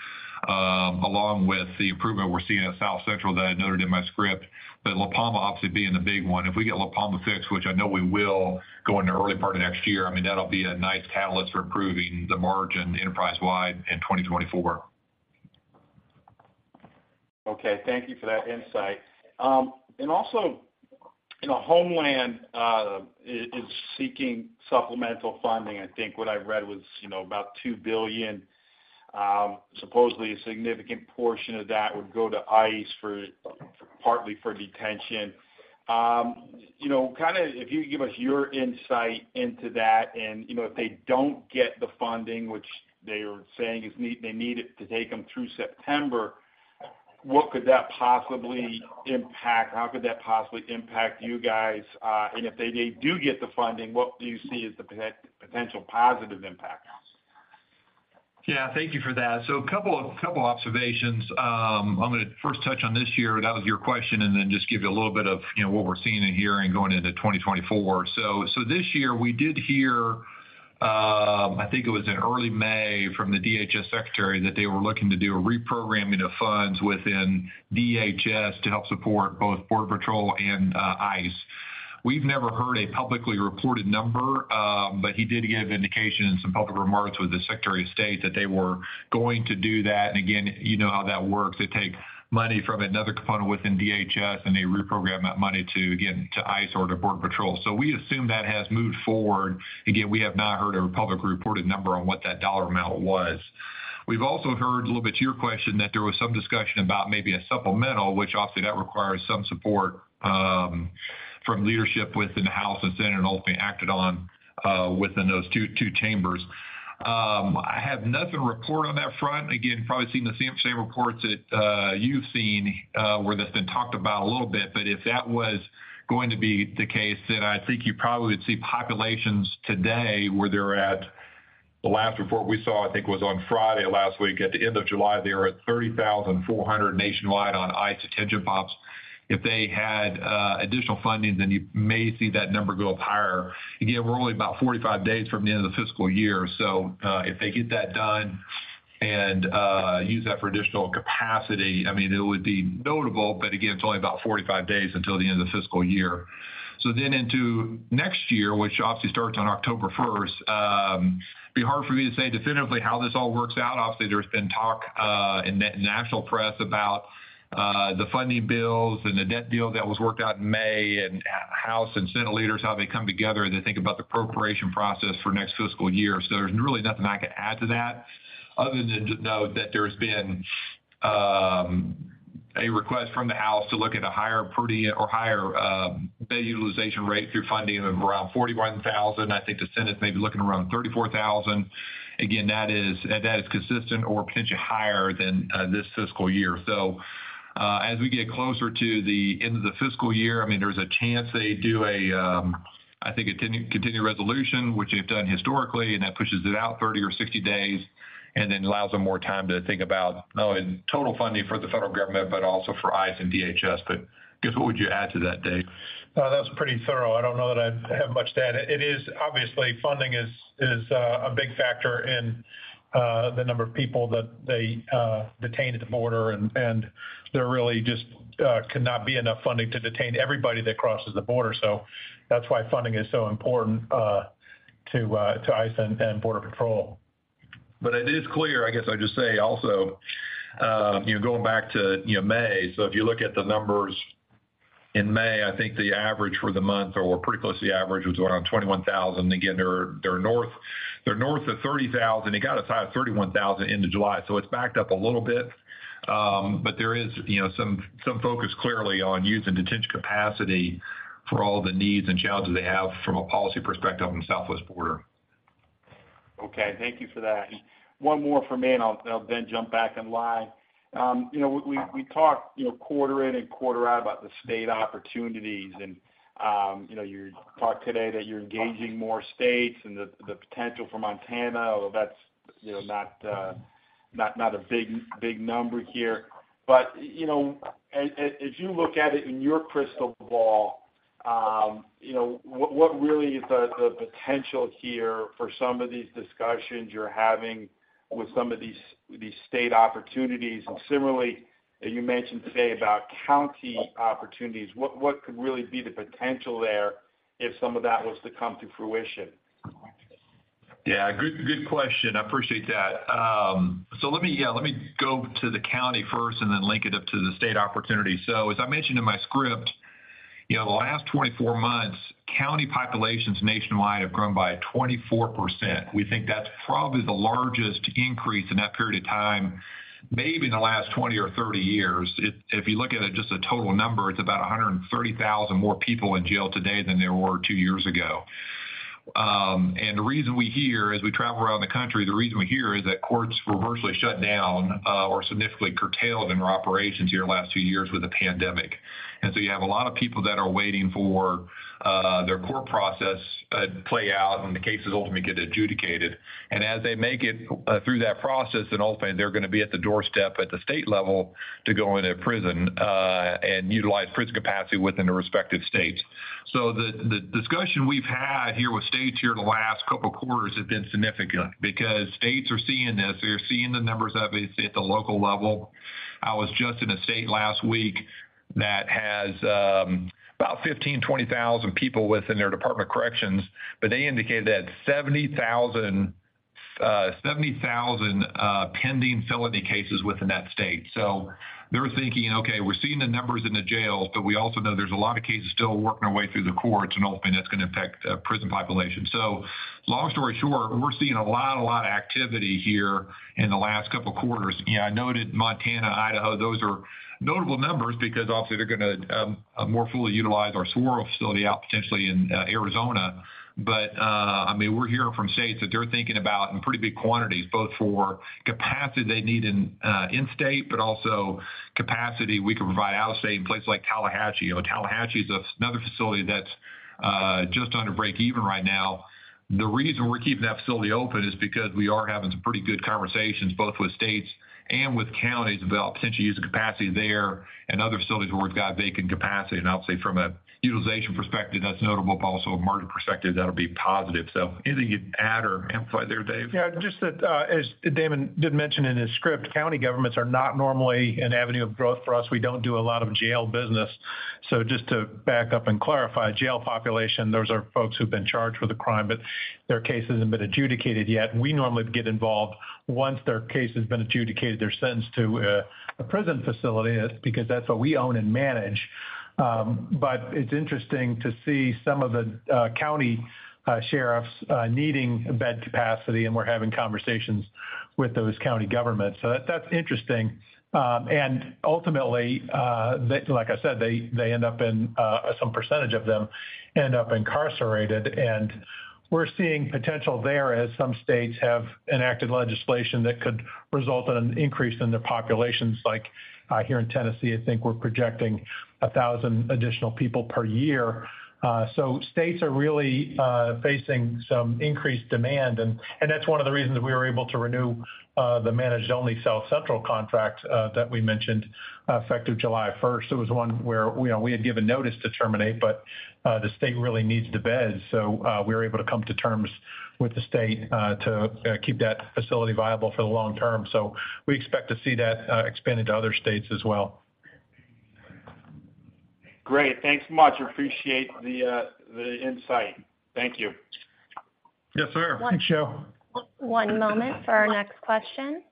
along with the improvement we're seeing in South Central that I noted in my script. La Palma obviously being the big one. If we get La Palma fixed, which I know we will, going into early part of next year, I mean, that'll be a nice catalyst for improving the margin enterprise-wide in 2024. Okay, thank you for that insight. Also, you know, Homeland is seeking supplemental funding. I think what I read was, you know, about $2 billion. Supposedly a significant portion of that would go to ICE partly for detention. You know, kind of if you could give us your insight into that, and, you know, if they don't get the funding, which they are saying they need it to take them through September, what could that possibly impact? How could that possibly impact you guys? If they do get the funding, what do you see as the potential positive impact? Yeah, thank you for that. A couple, couple observations. I'm gonna first touch on this year, that was your question, and then just give you a little bit of, you know, what we're seeing and hearing going into 2024. This year, we did hear, I think it was in early May, from the DHS Secretary, that they were looking to do a reprogramming of funds within DHS to help support both Border Patrol and ICE. We've never heard a publicly reported number, but he did give an indication in some public remarks with the Secretary of State that they were going to do that. Again, you know how that works. They take money from another component within DHS, they reprogram that money to, again, to ICE or to Border Patrol. We assume that has moved forward. Again, we have not heard a public reported number on what that dollar amount was. We've also heard, a little bit to your question, that there was some discussion about maybe a supplemental, which obviously, that requires some support from leadership within the House and Senate, and ultimately acted on within those 2, 2 chambers. I have nothing to report on that front. Again, probably seen the same, same reports that you've seen where that's been talked about a little bit. If that was going to be the case, then I think you probably would see populations today where they're at... The last report we saw, I think, was on Friday last week. At the end of July, they were at 30,400 nationwide on ICE detention pops. If they had additional funding, you may see that number go up higher. Again, we're only about 45 days from the end of the fiscal year. If they get that done and use that for additional capacity, I mean, it would be notable, but again, it's only about 45 days until the end of the fiscal year. Into next year, which obviously starts on October 1st, it'd be hard for me to say definitively how this all works out. Obviously, there's been talk in national press about the funding bills and the debt deal that was worked out in May. House and Senate leaders, how they come together, and they think about the appropriation process for next fiscal year. There's really nothing I can add to that, other than to note that there's been a request from the House to look at a higher per diem or higher bed utilization rate through funding of around $41,000. I think the Senate is maybe looking around $34,000. Again, that is, that is consistent or potentially higher than this fiscal year. As we get closer to the end of the fiscal year, I mean, there's a chance they do a, I think, a continued resolution, which they've done historically, and that pushes it out 30 or 60 days, and then allows them more time to think about, not only total funding for the federal government, but also for ICE and DHS. I guess, what would you add to that, Dave? That's pretty thorough. I don't know that I have much to add. It is, obviously, funding is a big factor in the number of people that they detain at the border, and there really just could not be enough funding to detain everybody that crosses the border. That's why funding is so important to ICE and Border Patrol. It is clear, I guess I'd just say also, you know, going back to, you know, May, so if you look at the numbers in May, I think the average for the month or pretty close to the average, was around 21,000. Again, they're, they're north, they're north of 30,000. It got as high as 31,000 into July, so it's backed up a little bit. There is, you know, some, some focus clearly on using detention capacity for all the needs and challenges they have from a policy perspective on the southwest border. Okay, thank you for that. One more from me, and I'll, I'll then jump back in line. You know, we, we talked, you know, quarter in and quarter out about the state opportunities and, you know, you talked today that you're engaging more states and the, the potential for Montana, although that's, you know, not, not a big, big number here. You know, as, as, as you look at it in your crystal ball, you know, what, what really is the, the potential here for some of these discussions you're having with some of these, these state opportunities? Similarly, you mentioned today about county opportunities. What, what could really be the potential there if some of that was to come to fruition? Yeah, good, good question. I appreciate that. Let me... yeah, let me go to the county first and then link it up to the state opportunity. As I mentioned in my script, you know, the last 24 months, county populations nationwide have grown by 24%. We think that's probably the largest increase in that period of time, maybe in the last 20 or 30 years. If, if you look at it, just the total number, it's about 130,000 more people in jail today than there were 2 years ago. The reason we hear, as we travel around the country, the reason we hear is that courts were virtually shut down, or significantly curtailed in their operations here the last few years with the pandemic. You have a lot of people that are waiting for their court process to play out, and the cases ultimately get adjudicated. As they make it through that process, then ultimately they're gonna be at the doorstep at the state level to go into prison and utilize prison capacity within the respective states. The discussion we've had here with states here in the last couple of quarters have been significant because states are seeing this. They're seeing the numbers of it at the local level. I was just in a state last week that has about 15,000-20,000 people within their Department of Corrections, but they indicated they had 70,000 pending felony cases within that state. They're thinking, okay, we're seeing the numbers in the jails, but we also know there's a lot of cases still working their way through the courts, and ultimately, that's gonna affect prison population. Long story short, we're seeing a lot, a lot of activity here in the last 2 quarters. Yeah, I noted Montana, Idaho, those are notable numbers because obviously they're gonna more fully utilize our Saguaro facility out potentially in Arizona. I mean, we're hearing from states that they're thinking about in pretty big quantities, both for capacity they need in state, but also capacity we can provide out-of-state in places like Tallahatchie. You know, Tallahatchie is another facility that's just under break even right now. The reason we're keeping that facility open is because we are having some pretty good conversations, both with states and with counties, about potentially using capacity there and other facilities where we've got vacant capacity. Obviously, from a utilization perspective, that's notable, but also a margin perspective, that'll be positive. Anything you'd add or amplify there, Dave? Yeah, just that, as Damon did mention in his script, county governments are not normally an avenue of growth for us. We don't do a lot of jail business. Just to back up and clarify, jail population, those are folks who've been charged with a crime, but their case hasn't been adjudicated yet. We normally get involved once their case has been adjudicated, they're sentenced to a prison facility, because that's what we own and manage. But it's interesting to see some of the county sheriffs needing bed capacity, and we're having conversations with those county governments. That-that's interesting. And ultimately, like I said, they, they end up in some percentage of them end up incarcerated. We're seeing potential there as some states have enacted legislation that could result in an increase in their populations, like, here in Tennessee, I think we're projecting 1,000 additional people per year. States are really facing some increased demand. That's one of the reasons we were able to renew the managed-only South Central contract that we mentioned, effective July 1. It was one where, you know, we had given notice to terminate, but the state really needs the beds. We were able to come to terms with the state to keep that facility viable for the long term. We expect to see that expand into other states as well. Great. Thanks much. Appreciate the insight. Thank you. Yes, sir. Thanks, Joe. One moment for our next question.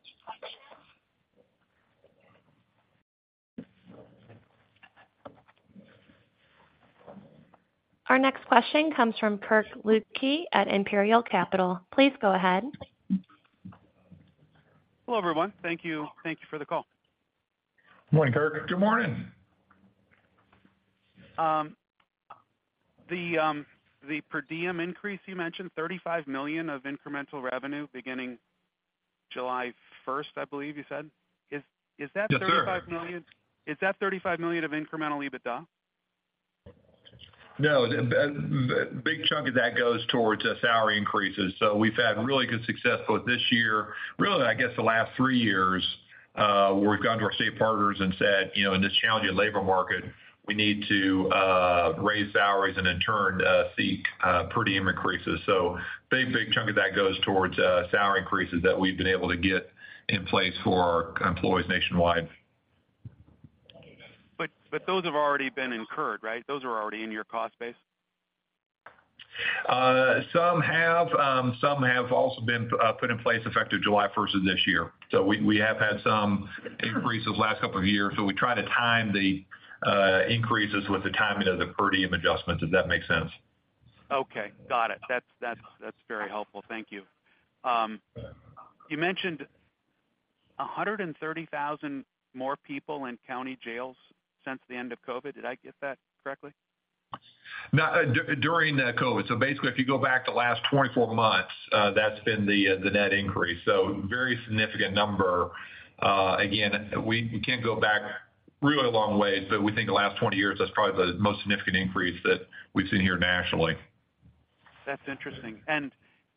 Our next question comes from Kirk Ludtke at Imperial Capital. Please go ahead. Hello, everyone. Thank you. Thank you for the call. Morning, Kirk. Good morning. The per diem increase, you mentioned $35 million of incremental revenue beginning July 1, I believe you said. Is that- Yes, sir. $35 million? Is that $35 million of incremental EBITDA? No, the big chunk of that goes towards salary increases. We've had really good success both this year, really, I guess, the last three years, we've gone to our state partners and said, "You know, in this challenging labor market, we need to raise salaries and in turn, seek per diem increases." Big, big chunk of that goes towards salary increases that we've been able to get in place for our employees nationwide. Those have already been incurred, right? Those are already in your cost base. Some have. Some have also been put in place effective July first of this year. We, we have had some increases the last couple of years, so we try to time the increases with the timing of the per diem adjustments, if that makes sense. Okay, got it. That's, that's, that's very helpful. Thank you. You mentioned 130,000 more people in county jails since the end of COVID. Did I get that correctly? No, during COVID. Basically, if you go back the last 24 months, that's been the net increase. Very significant number. Again, we can't go back really a long way, but we think the last 20 years, that's probably the most significant increase that we've seen here nationally. That's interesting.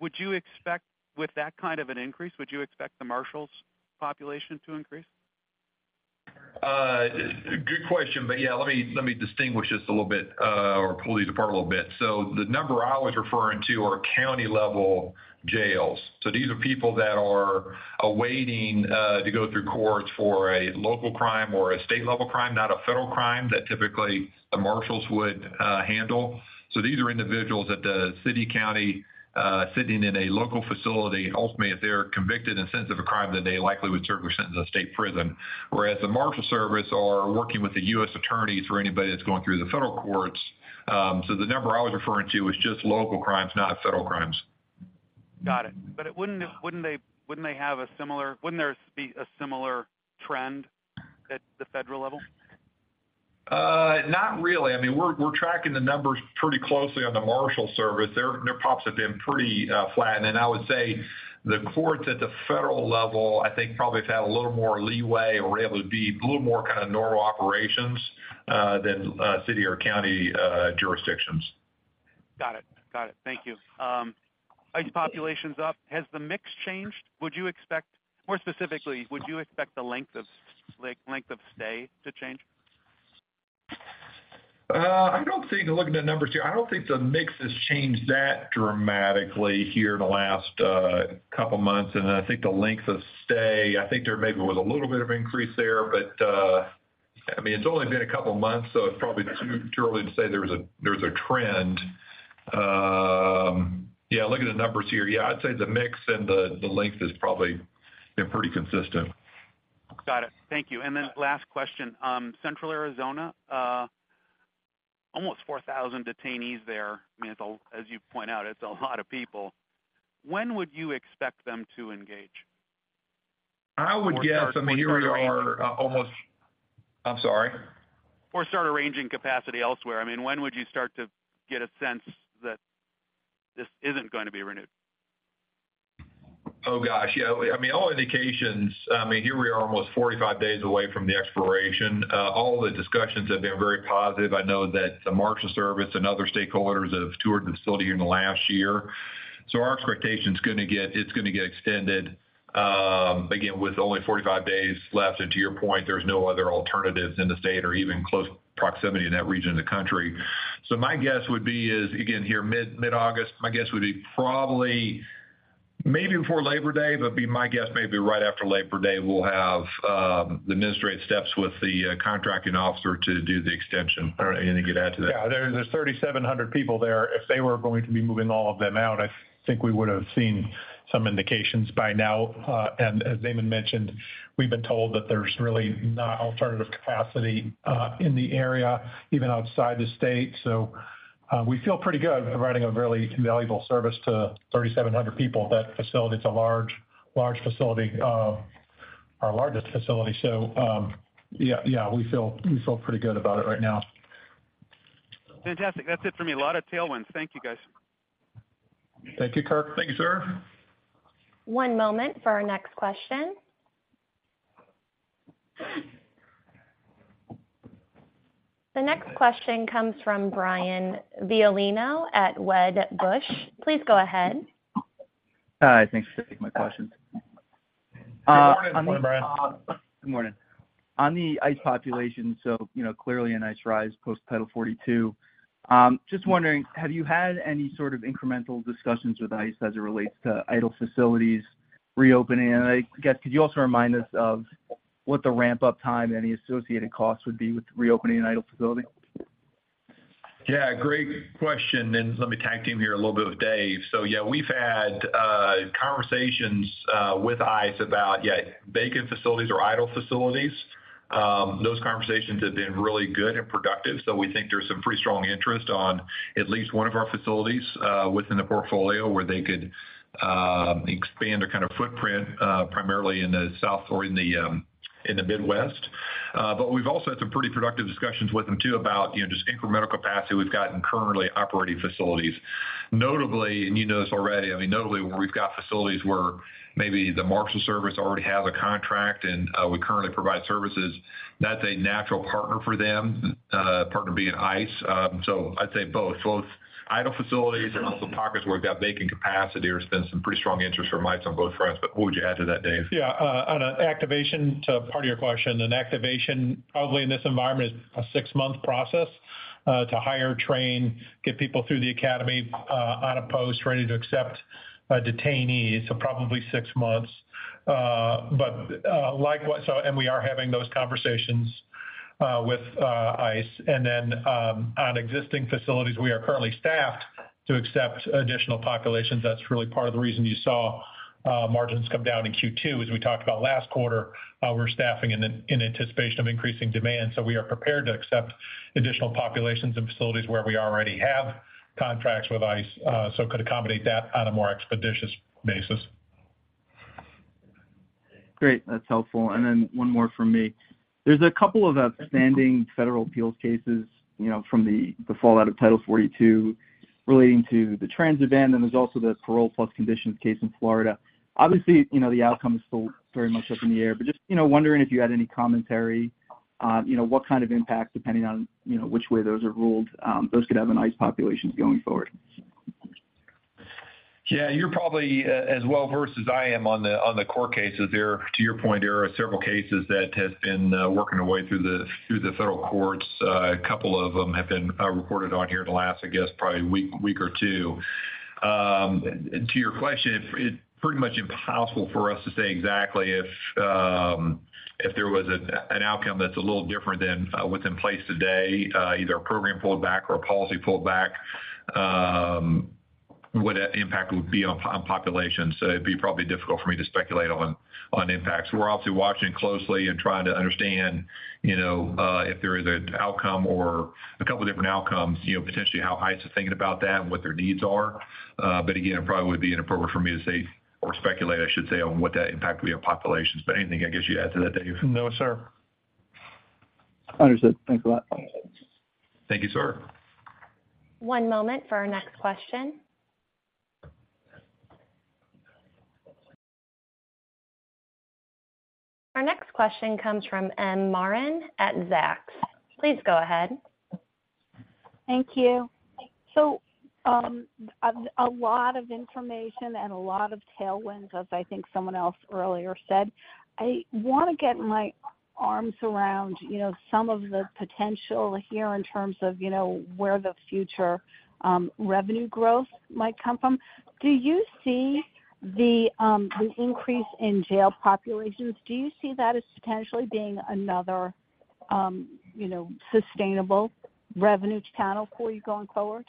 would you expect-- With that kind of an increase, would you expect the Marshals population to increase? Good question, but, yeah, let me, let me distinguish this a little bit, or pull these apart a little bit. The number I was referring to are county-level jails. These are people that are awaiting to go through courts for a local crime or a state-level crime, not a federal crime that typically the marshals would handle. These are individuals at the city, county, sitting in a local facility. Ultimately, if they are convicted and sentenced of a crime, then they likely would serve their sentence in a state prison, whereas the Marshals Service are working with the U.S. attorneys or anybody that's going through the federal courts. The number I was referring to was just local crimes, not federal crimes. Got it. It wouldn't. Wouldn't there be a similar trend at the federal level? Not really. I mean, we're, we're tracking the numbers pretty closely on the Marshals Service. Their, their pops have been pretty flat. Then I would say the courts at the federal level, I think, probably have had a little more leeway or were able to be a little more kind of normal operations than city or county jurisdictions. Got it. Got it. Thank you. As population's up, has the mix changed? Would you expect... More specifically, would you expect the length of, length of stay to change? I don't think, looking at the numbers here, I don't think the mix has changed that dramatically here in the last couple of months. I think the length of stay, I think there maybe was a little bit of increase there, but I mean, it's only been a couple of months, so it's probably too early to say there's a, there's a trend. Yeah, looking at the numbers here, yeah, I'd say the mix and the, the length has probably been pretty consistent. Got it. Thank you. Last question. Central Arizona, almost 4,000 detainees there. I mean, as you point out, it's a lot of people. When would you expect them to engage? I would guess, I mean, here we are almost- Start arranging. I'm sorry? Start arranging capacity elsewhere. I mean, when would you start to get a sense that this isn't going to be renewed? Oh, gosh, yeah. I mean, all indications, I mean, here we are almost 45 days away from the expiration. All the discussions have been very positive. I know that the Marshals Service and other stakeholders have toured the facility in the last year. Our expectation is gonna get extended, again, with only 45 days left. To your point, there's no other alternatives in the state or even close proximity in that region of the country. My guess would be is, again, here, mid-August. My guess would be probably maybe before Labor Day, but it'd be my guess, maybe right after Labor Day, we'll have, the administrative steps with the contracting officer to do the extension. I don't know anything to add to that. Yeah, there's, there's 3,700 people there. If they were going to be moving all of them out, I think we would have seen some indications by now. As Damon mentioned, we've been told that there's really not alternative capacity, in the area, even outside the state. We feel pretty good providing a really invaluable service to 3,700 people. That facility, it's a large, large facility, our largest facility. Yeah, yeah, we feel, we feel pretty good about it right now. Fantastic. That's it for me. A lot of tailwinds. Thank you, guys. Thank you, Kirk. Thank you, sir. One moment for our next question. The next question comes from Brian Violino at Wedbush. Please go ahead. Hi, thanks for taking my question. Good morning, Brian. Good morning. On the ICE population, you know, clearly a nice rise post Title 42. Just wondering, have you had any sort of incremental discussions with ICE as it relates to idle facilities reopening? I guess, could you also remind us of what the ramp-up time and any associated costs would be with reopening an idle facility? Yeah, great question, and let me tag team here a little bit with Dave. Yeah, we've had conversations with ICE about, yeah, vacant facilities or idle facilities. Those conversations have been really good and productive, so we think there's some pretty strong interest on at least one of our facilities within the portfolio where they could expand their kind of footprint primarily in the south or in the Midwest. We've also had some pretty productive discussions with them, too, about, you know, just incremental capacity we've got in currently operating facilities. Notably, you know this already, I mean, notably, we've got facilities where maybe the Marshals Service already has a contract and we currently provide services. That's a natural partner for them, partner being ICE. I'd say both, both idle facilities and also pockets where we've got vacant capacity, there's been some pretty strong interest from ICE on both fronts. What would you add to that, Dave? Yeah, on an activation to part of your question, an activation, probably in this environment, is a 6-month process, to hire, train, get people through the academy, on a post, ready to accept, detainees. Probably 6 months. Likewise, so-- and we are having those conversations with ICE. On existing facilities, we are currently staffed to accept additional populations. That's really part of the reason you saw margins come down in Q2, as we talked about last quarter, we're staffing in anticipation of increasing demand. We are prepared to accept additional populations and facilities where we already have contracts with ICE, so could accommodate that on a more expeditious basis. Great. That's helpful. One more from me. There's a couple of outstanding federal appeals cases, you know, from the fallout of Title 42 relating to the trans event, and there's also the Parole Plus conditions case in Florida. Obviously, you know, the outcome is still very much up in the air, but just, you know, wondering if you had any commentary on, you know, what kind of impact, depending on, you know, which way those are ruled, those could have an ICE populations going forward? Yeah, you're probably as well versed as I am on the, on the court cases. There, to your point, there are several cases that have been working their way through the, through the federal courts. A couple of them have been reported on here in the last, I guess, probably week, week or 2. To your question, it's pretty much impossible for us to say exactly if, if there was an, an outcome that's a little different than what's in place today, either a program pulled back or a policy pulled back, what that impact would be on, on populations. It'd be probably difficult for me to speculate on, on impacts. We're obviously watching closely and trying to understand, you know, if there is an outcome or a couple of different outcomes, you know, potentially how ICE is thinking about that and what their needs are. Again, it probably would be inappropriate for me to say or speculate, I should say, on what that impact would be on populations. Anything, I guess, you'd add to that, Dave? No, sir. Understood. Thanks a lot. Thank you, sir. One moment for our next question. Our next question comes from M. Marin at Zacks. Please go ahead. Thank you. A lot of information and a lot of tailwinds, as I think someone else earlier said. I want to get my arms around, you know, some of the potential here in terms of, you know, where the future revenue growth might come from. Do you see the increase in jail populations, do you see that as potentially being another, you know, sustainable revenue channel for you going forward?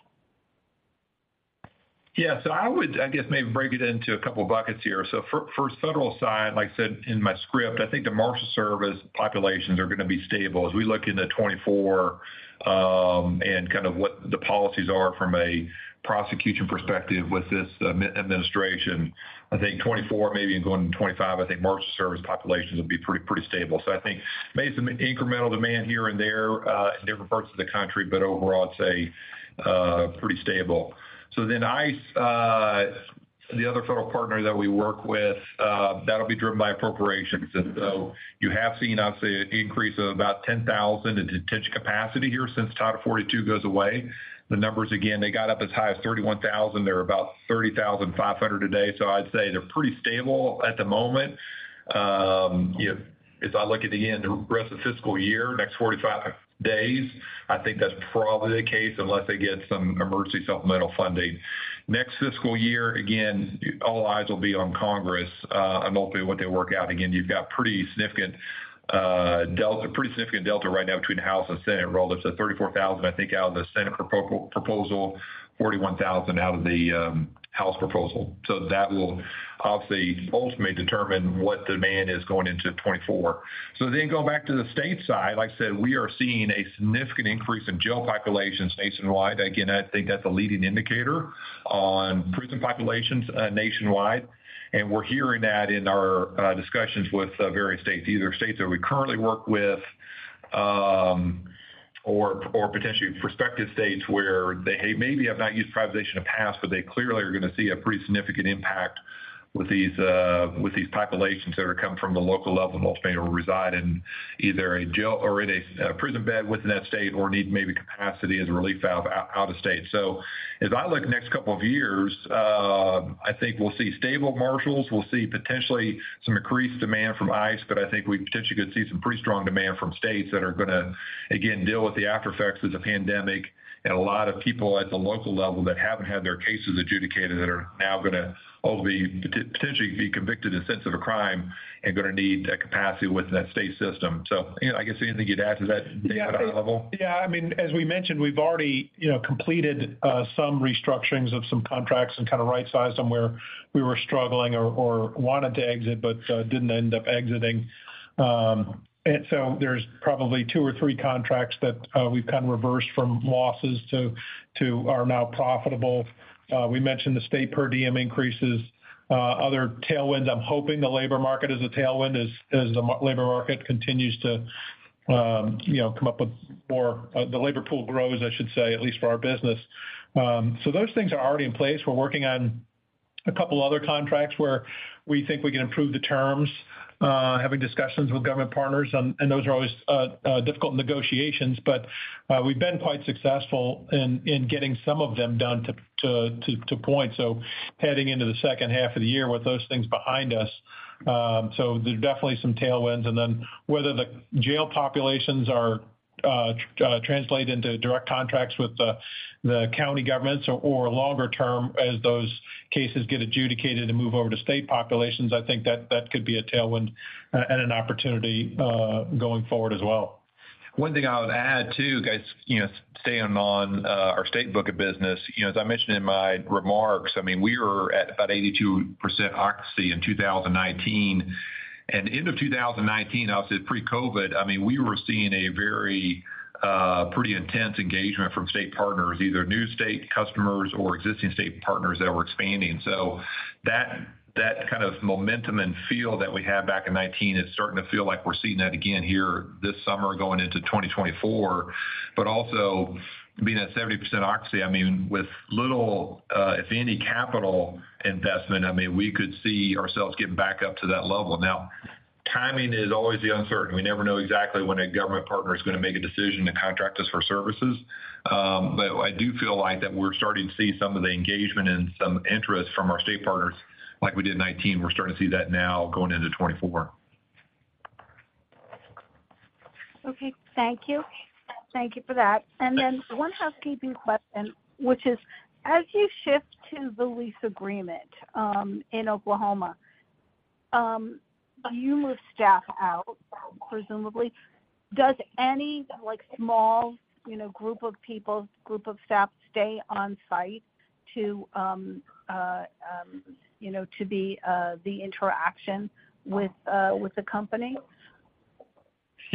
Yeah. I would maybe break it into a couple of buckets here. For, for federal side, like I said in my script, I think the Marshals Service populations are going to be stable. As we look into 2024, and kind of what the policies are from a prosecution perspective with this administration, I think 2024, maybe even going into 2025, I think Marshals Service populations will be pretty, pretty stable. I think maybe some incremental demand here and there, in different parts of the country, but overall, I'd say pretty stable. ICE, the other federal partner that we work with, that will be driven by appropriations. You have seen, obviously, an increase of about 10,000 in detention capacity here since Title 42 goes away. The numbers, again, they got up as high as 31,000. They're about 30,500 today, so I'd say they're pretty stable at the moment. You know, as I look at the end, the rest of the fiscal year, next 45 days, I think that's probably the case unless they get some emergency supplemental funding. Next fiscal year, again, all eyes will be on Congress, and ultimately what they work out. Again, you've got pretty significant delta, pretty significant delta right now between the House and Senate role. There's a 34,000, I think, out of the Senate proposal, 41,000 out of the House proposal. That will obviously ultimately determine what demand is going into 2024. Then going back to the state side, like I said, we are seeing a significant increase in jail populations nationwide. I think that's a leading indicator on prison populations nationwide, and we're hearing that in our discussions with various states. Either states that we currently work with, or, or potentially prospective states where they maybe have not used privatization in the past, but they clearly are gonna see a pretty significant impact with these populations that are coming from the local level, ultimately will reside in either a jail or in a prison bed within that state, or need maybe capacity as a relief valve out, out of state. As I look the next couple of years, I think we'll see stable Marshals. We'll see potentially some increased demand from ICE, but I think we potentially could see some pretty strong demand from states that are gonna, again, deal with the aftereffects of the pandemic. A lot of people at the local level that haven't had their cases adjudicated, that are now gonna ultimately, potentially be convicted and sentenced of a crime and gonna need that capacity within that state system. You know, I guess anything you'd add to that, Dave, at our level? Yeah, I mean, as we mentioned, we've already, you know, completed some restructurings of some contracts and kind of right-sized some where we were struggling or, or wanted to exit but didn't end up exiting. There's probably 2 or 3 contracts that we've kind of reversed from losses to, to are now profitable. We mentioned the state per diem increases. Other tailwinds, I'm hoping the labor market is a tailwind as, as the labor market continues to, you know, come up with more... The labor pool grows, I should say, at least for our business. Those things are already in place. We're working on a couple other contracts where we think we can improve the terms. Having discussions with government partners, those are always difficult negotiations. We've been quite successful in, in getting some of them done to point, so heading into the second half of the year with those things behind us. There's definitely some tailwinds. Then whether the jail populations are translate into direct contracts with the, the county governments or, or longer term, as those cases get adjudicated and move over to state populations, I think that could be a tailwind and an opportunity going forward as well. One thing I would add, too, guys, you know, staying on our state book of business. You know, as I mentioned in my remarks, I mean, we were at about 82% occupancy in 2019. End of 2019, obviously pre-COVID, I mean, we were seeing a very pretty intense engagement from state partners, either new state customers or existing state partners that were expanding. That, that kind of momentum and feel that we had back in 2019 is starting to feel like we're seeing that again here this summer, going into 2024. Also, being at 70% occupancy, I mean, with little, if any, capital investment, I mean, we could see ourselves getting back up to that level. Now timing is always the uncertainty. We never know exactly when a government partner is gonna make a decision to contract us for services. I do feel like that we're starting to see some of the engagement and some interest from our state partners, like we did in 2019. We're starting to see that now going into 2024. Okay, thank you. Thank you for that. Then one housekeeping question, which is, as you shift to the lease agreement in Oklahoma, you move staff out, presumably. Does any, like, small, you know, group of people, group of staff stay on site to, you know, to be the interaction with the company?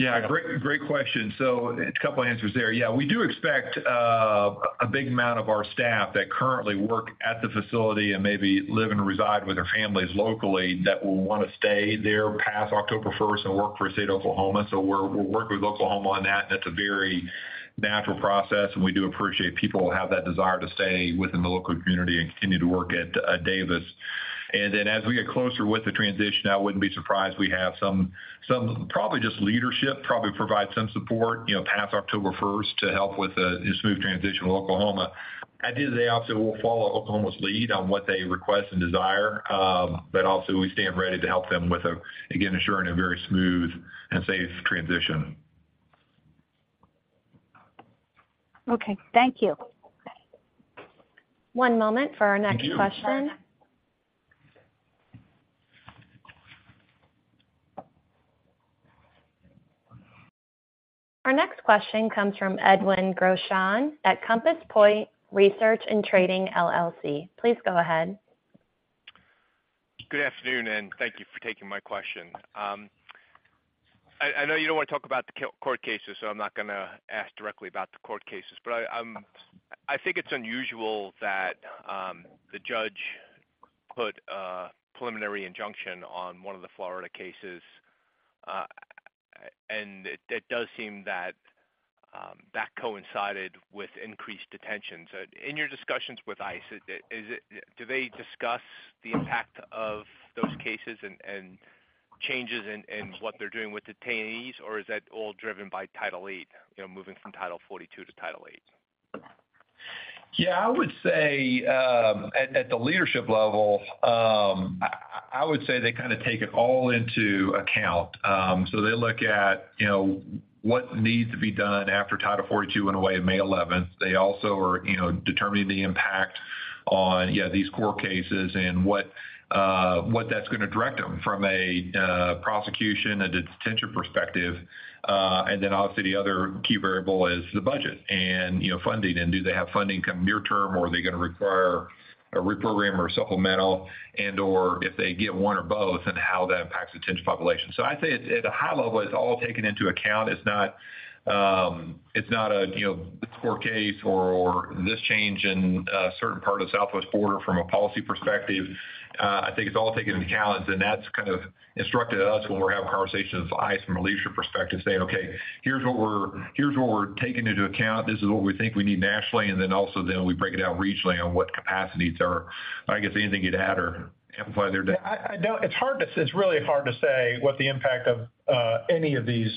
Yeah, great, great question. A couple answers there. Yeah, we do expect a big amount of our staff that currently work at the facility and maybe live and reside with their families locally, that will want to stay there past October first and work for the state of Oklahoma. We're, we're working with Oklahoma on that, and that's a very natural process, and we do appreciate people who have that desire to stay within the local community and continue to work at Davis. As we get closer with the transition, I wouldn't be surprised if we have some, some probably just leadership, probably provide some support, you know, past October first to help with a smooth transition to Oklahoma. At this, they also will follow Oklahoma's lead on what they request and desire, but also we stand ready to help them with a, again, ensuring a very smooth and safe transition. Okay, thank you. One moment for our next question. Our next question comes from Edwin Groshans at Compass Point Research and Trading LLC. Please go ahead. Good afternoon, thank you for taking my question. I, I know you don't wanna talk about the court cases, so, I'm not gonna ask directly about the court cases. I, I think it's unusual that the judge put a preliminary injunction on one of the Florida cases, and it, it does seem that coincided with increased detention. In your discussions with ICE, do they discuss the impact of those cases and, and changes in, in what they're doing with detainees, or is that all driven by Title VIII? You know, moving from Title 42 to Title VIII. Yeah, I would say, at, at the leadership level, I would say they kinda take it all into account. They look at, you know, what needs to be done after Title 42 went away on May 11th. They also are, you know, determining the impact on, yeah, these court cases and what that's gonna direct them from a prosecution and detention perspective. Then obviously, the other key variable is the budget and, you know, funding. Do they have funding come near term, or are they gonna require a reprogram or supplemental? And or if they get one or both, and how that impacts detention population. I'd say at, at a high level, it's all taken into account. It's not, it's not a, you know, court case or, or this change in a certain part of the southwest border from a policy perspective. I think it's all taken into account, and that's kind of instructed us when we're having conversations with ICE from a leadership perspective, saying, "Okay, here's what we're, here's what we're taking into account. This is what we think we need nationally," and then also then we break it down regionally on what capacities are. I guess, anything you'd add or amplify there, Dave? I, I don't... It's really hard to say what the impact of any of these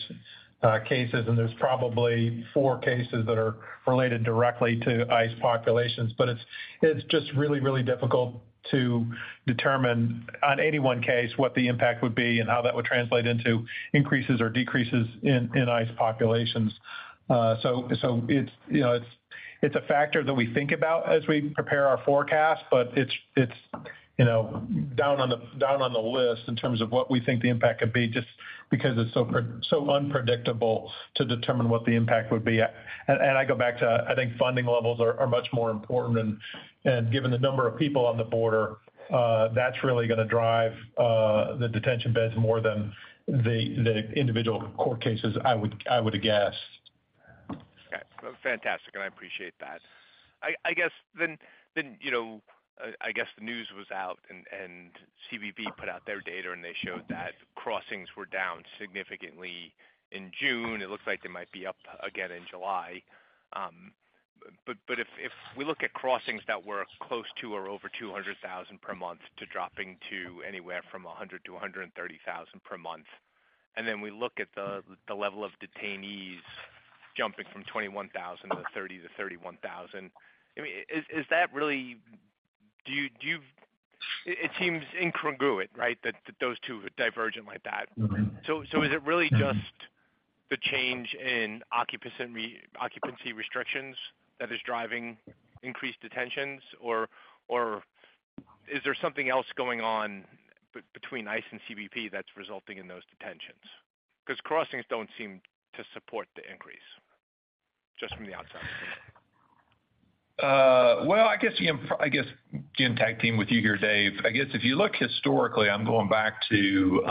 cases, and there's probably four cases that are related directly to ICE populations. It's, it's just really, really difficult to determine on any one case what the impact would be and how that would translate into increases or decreases in, in ICE populations. So, it's, you know, it's, it's a factor that we think about as we prepare our forecast, but it's, it's, you know, down on the, down on the list in terms of what we think the impact could be, just because it's so unpredictable to determine what the impact would be. I go back to, I think funding levels are, are much more important, and, and given the number of people on the border, that's really gonna drive, the detention beds more than the, the individual court cases, I would, I would guess. Okay. Fantastic. I appreciate that. I guess then, you know, I guess the news was out. CBP put out their data. They showed that crossings were down significantly in June. It looks like they might be up again in July. If we look at crossings that were close to or over 200,000 per month, to dropping to anywhere from 100,000-130,000 per month, then we look at the level of detainees jumping from 21,000 to 30,000-31,000. I mean, is that really... Do you-- It seems incongruent, right? That those two are divergent like that. Is it really just the change in occupancy restrictions that is driving increased detentions, or is there something else going on between ICE and CBP that's resulting in those detentions? Because crossings don't seem to support the increase, just from the outside. Well, I guess, again, I guess, Jim, tag-team with you here, Dave. I guess if you look historically, I'm going back to,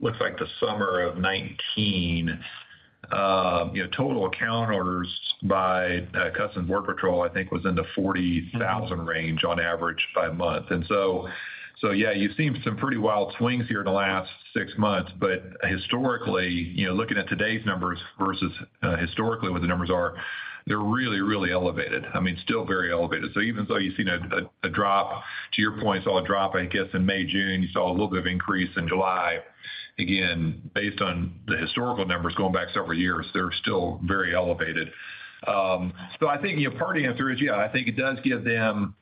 looks like the summer of 2019, you know, total count orders by Customs and Border Patrol, I think, was in the 40,000 range on average by month. Yeah, you've seen some pretty wild swings here in the last six months, but historically, you know, looking at today's numbers versus historically what the numbers are, they're really, really elevated. I mean, still very elevated. Even though you've seen a drop, to your point, saw a drop, I guess, in May, June, you saw a little bit of increase in July. Again, based on the historical numbers going back several years, they're still very elevated. I think, you know, part of the answer is, yeah, I think it does give them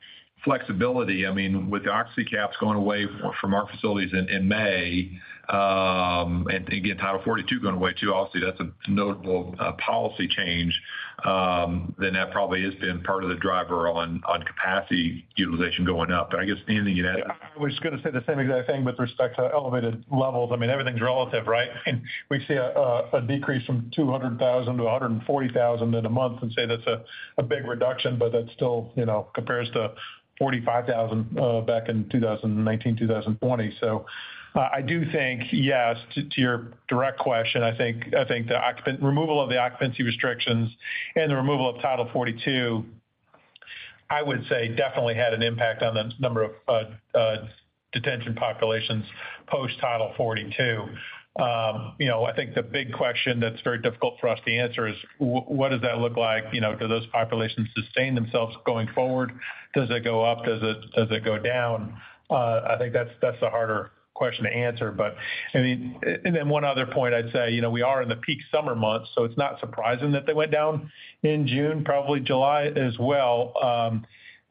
flexibility. I mean, with the occupancy caps going away from our facilities in, in May, again, Title 42 going away, too, obviously, that's a, a notable, policy change, then that probably has been part of the driver on, on capacity utilization going up. I guess anything you'd add? I was gonna say the same exact thing with respect to elevated levels. I mean, everything's relative, right? We've seen a, a, a decrease from 200,000 to 140,000 in a month, and say that's a, a big reduction, but that still, you know, compares to 45,000 back in 2019, 2020. I do think, yes, to, to your direct question, I think, I think the occupancy Removal of the occupancy restrictions and the removal of Title 42, I would say, definitely had an impact on the number of detention populations post Title 42. You know, I think the big question that's very difficult for us to answer is: what does that look like? You know, do those populations sustain themselves going forward? Does it go up? Does it, does it go down? I think that's, that's a harder question to answer. I mean, and then one other point I'd say, you know, we are in the peak summer months, so it's not surprising that they went down in June, probably July as well.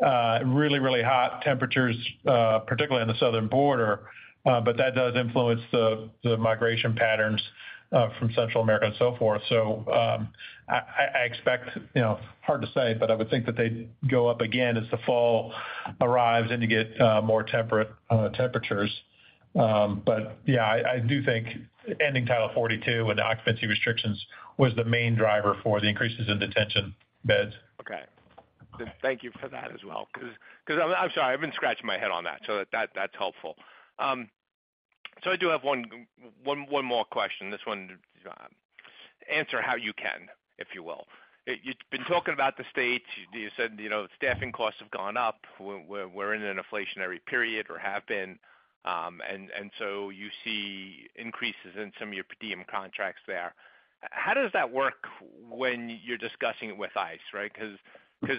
Really, really hot temperatures, particularly on the southern border, but that does influence the, the migration patterns from Central America and so forth. I, I, I expect, you know, hard to say, but I would think that they'd go up again as the fall arrives and you get more temperate temperatures. Yeah, I, I do think ending Title 42 and the occupancy restrictions was the main driver for the increases in detention beds. Okay. Thank you for that as well, 'cause I'm, I'm sorry, I've been scratching my head on that, so that's helpful. I do have one more question. This one, answer how you can, if you will. You've been talking about the states. You said, you know, staffing costs have gone up, we're, we're in an inflationary period or have been, and so you see increases in some of your per diem contracts there. How does that work when you're discussing it with ICE, right? 'Cause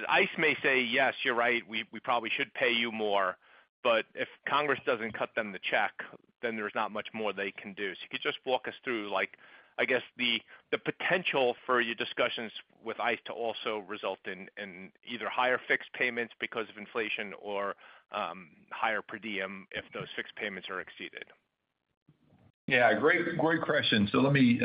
ICE may say, "Yes, you're right, we probably should pay you more." If Congress doesn't cut them the check, then there's not much more they can do. If you could just walk us through, like, I guess, the potential for your discussions with ICE to also result in either higher fixed payments because of inflation or higher per diem if those fixed payments are exceeded. Yeah, great, great question. Let me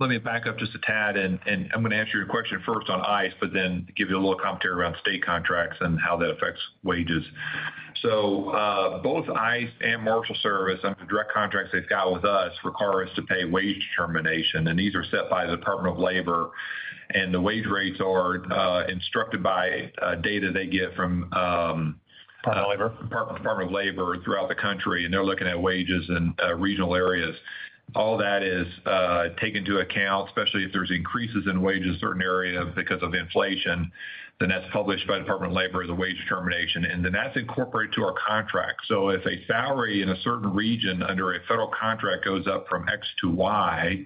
let me back up just a tad, and, and I'm gonna answer your question first on ICE, but then give you a little commentary around state contracts and how that affects wages. Both ICE and Marshals Service, on the direct contracts they've got with us, require us to pay wage determination, and these are set by the Department of Labor. The wage rates are instructed by data they get from. Department of Labor.... Department of Labor throughout the country. They're looking at wages in regional areas. All that is taken into account, especially if there's increases in wages in a certain area because of inflation. That's published by the Department of Labor, the wage determination, and then that's incorporated to our contract. If a salary in a certain region under a federal contract goes up from X to Y,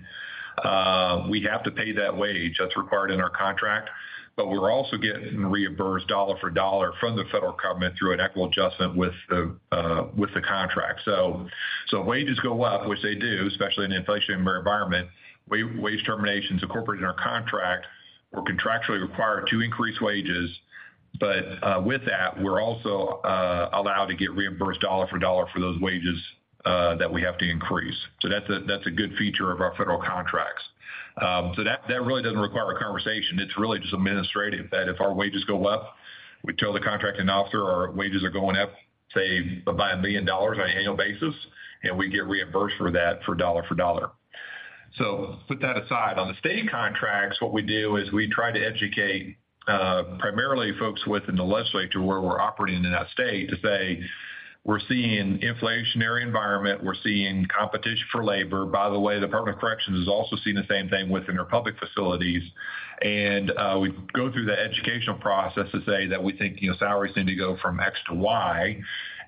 we have to pay that wage. That's required in our contract. We're also getting reimbursed dollar for dollar from the federal government through an equal adjustment with the contract. So, wages go up, which they do, especially in an inflationary environment. Wage determinations incorporated in our contract; we're contractually required to increase wages. With that, we're also allowed to get reimbursed dollar for dollar for those wages that we have to increase. That's a, that's a good feature of our federal contracts. That, that really doesn't require a conversation. It's really just administrative, that if our wages go up, we tell the contracting officer our wages are going up, say, by $1 million on an annual basis, and we get reimbursed for that for dollar for dollar. Put that aside. On the state contracts, what we do is we try to educate, primarily folks within the legislature, where we're operating in that state, to say, "We're seeing an inflationary environment. We're seeing competition for labor." By the way, the Department of Corrections is also seeing the same thing within their public facilities. We go through the educational process to say that we think, you know, salaries need to go from X to Y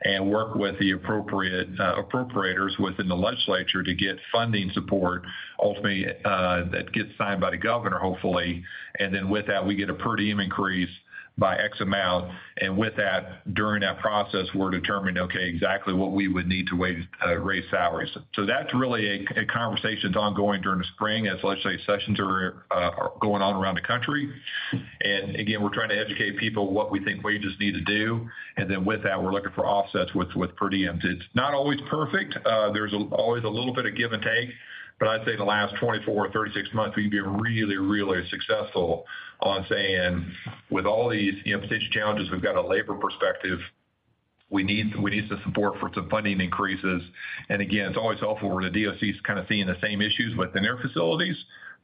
and work with the appropriate appropriators within the legislature to get funding support. Ultimately, that gets signed by the governor, hopefully, and then with that, we get a per diem increase by X amount, and with that, during that process, we're determining, okay, exactly what we would need to wage, raise salaries. That's really a, a conversation that's ongoing during the spring as legislative sessions are going on around the country. Again, we're trying to educate people what we think wages need to do, and then with that, we're looking for offsets with, with per diems. It's not always perfect. There's always a little bit of give and take, but I'd say in the last 24 to 36 months, we've been really, really successful on saying, "With all these, you know, potential challenges, we've got a labor perspective. We need some support for some funding increases." Again, it's always helpful when the DOC is kind of seeing the same issues within their facilities,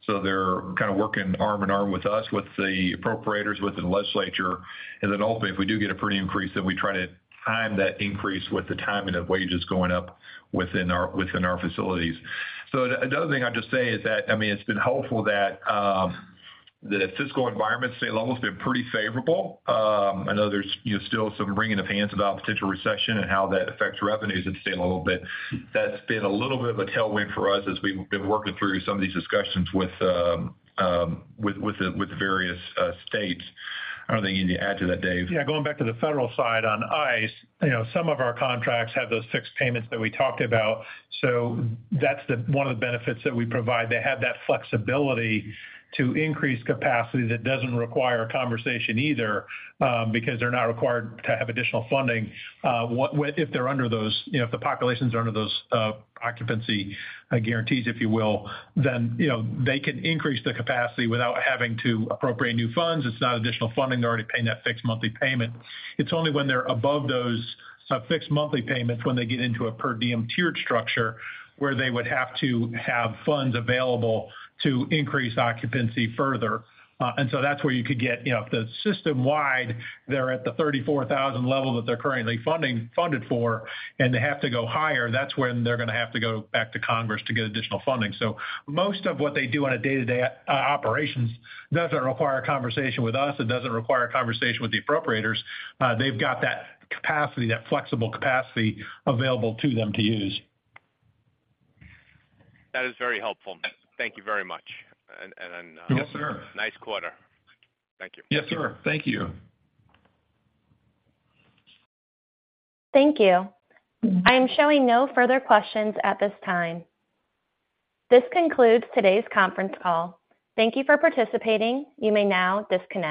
so they're kind of working arm in arm with us, with the appropriators, within the legislature. Then ultimately, if we do get a per diem increase, then we try to time that increase with the timing of wages going up within our, within our facilities. Another thing I'd just say is that, I mean, it's been helpful that the fiscal environment state level's been pretty favorable. I know there's, you know, still some wringing of hands about potential recession and how that affects revenues at the state level, but that's been a little bit of a tailwind for us as we've been working through some of these discussions with, with, with the, with the various states. I don't think you need to add to that, Dave. Going back to the federal side on ICE, you know, some of our contracts have those fixed payments that we talked about, that's one of the benefits that we provide. They have that flexibility to increase capacity that doesn't require a conversation either, because they're not required to have additional funding. If they're under those, you know, if the populations are under those occupancy guarantees, if you will, they can increase the capacity without having to appropriate new funds. It's not additional funding. They're already paying that fixed monthly payment. It's only when they're above those fixed monthly payments, when they get into a per diem tiered structure, where they would have to have funds available to increase occupancy further. That's where you could get, you know, if the system-wide, they're at the 34,000 level that they're currently funding, funded for, and they have to go higher, that's when they're gonna have to go back to Congress to get additional funding. Most of what they do on a day-to-day operation doesn't require a conversation with us. It doesn't require a conversation with the appropriators. They've got that capacity, that flexible capacity available to them to use. That is very helpful. Thank you very much. Yes, sir. Nice quarter. Thank you. Yes, sir. Thank you. Thank you. I am showing no further questions at this time. This concludes today's conference call. Thank you for participating. You may now disconnect.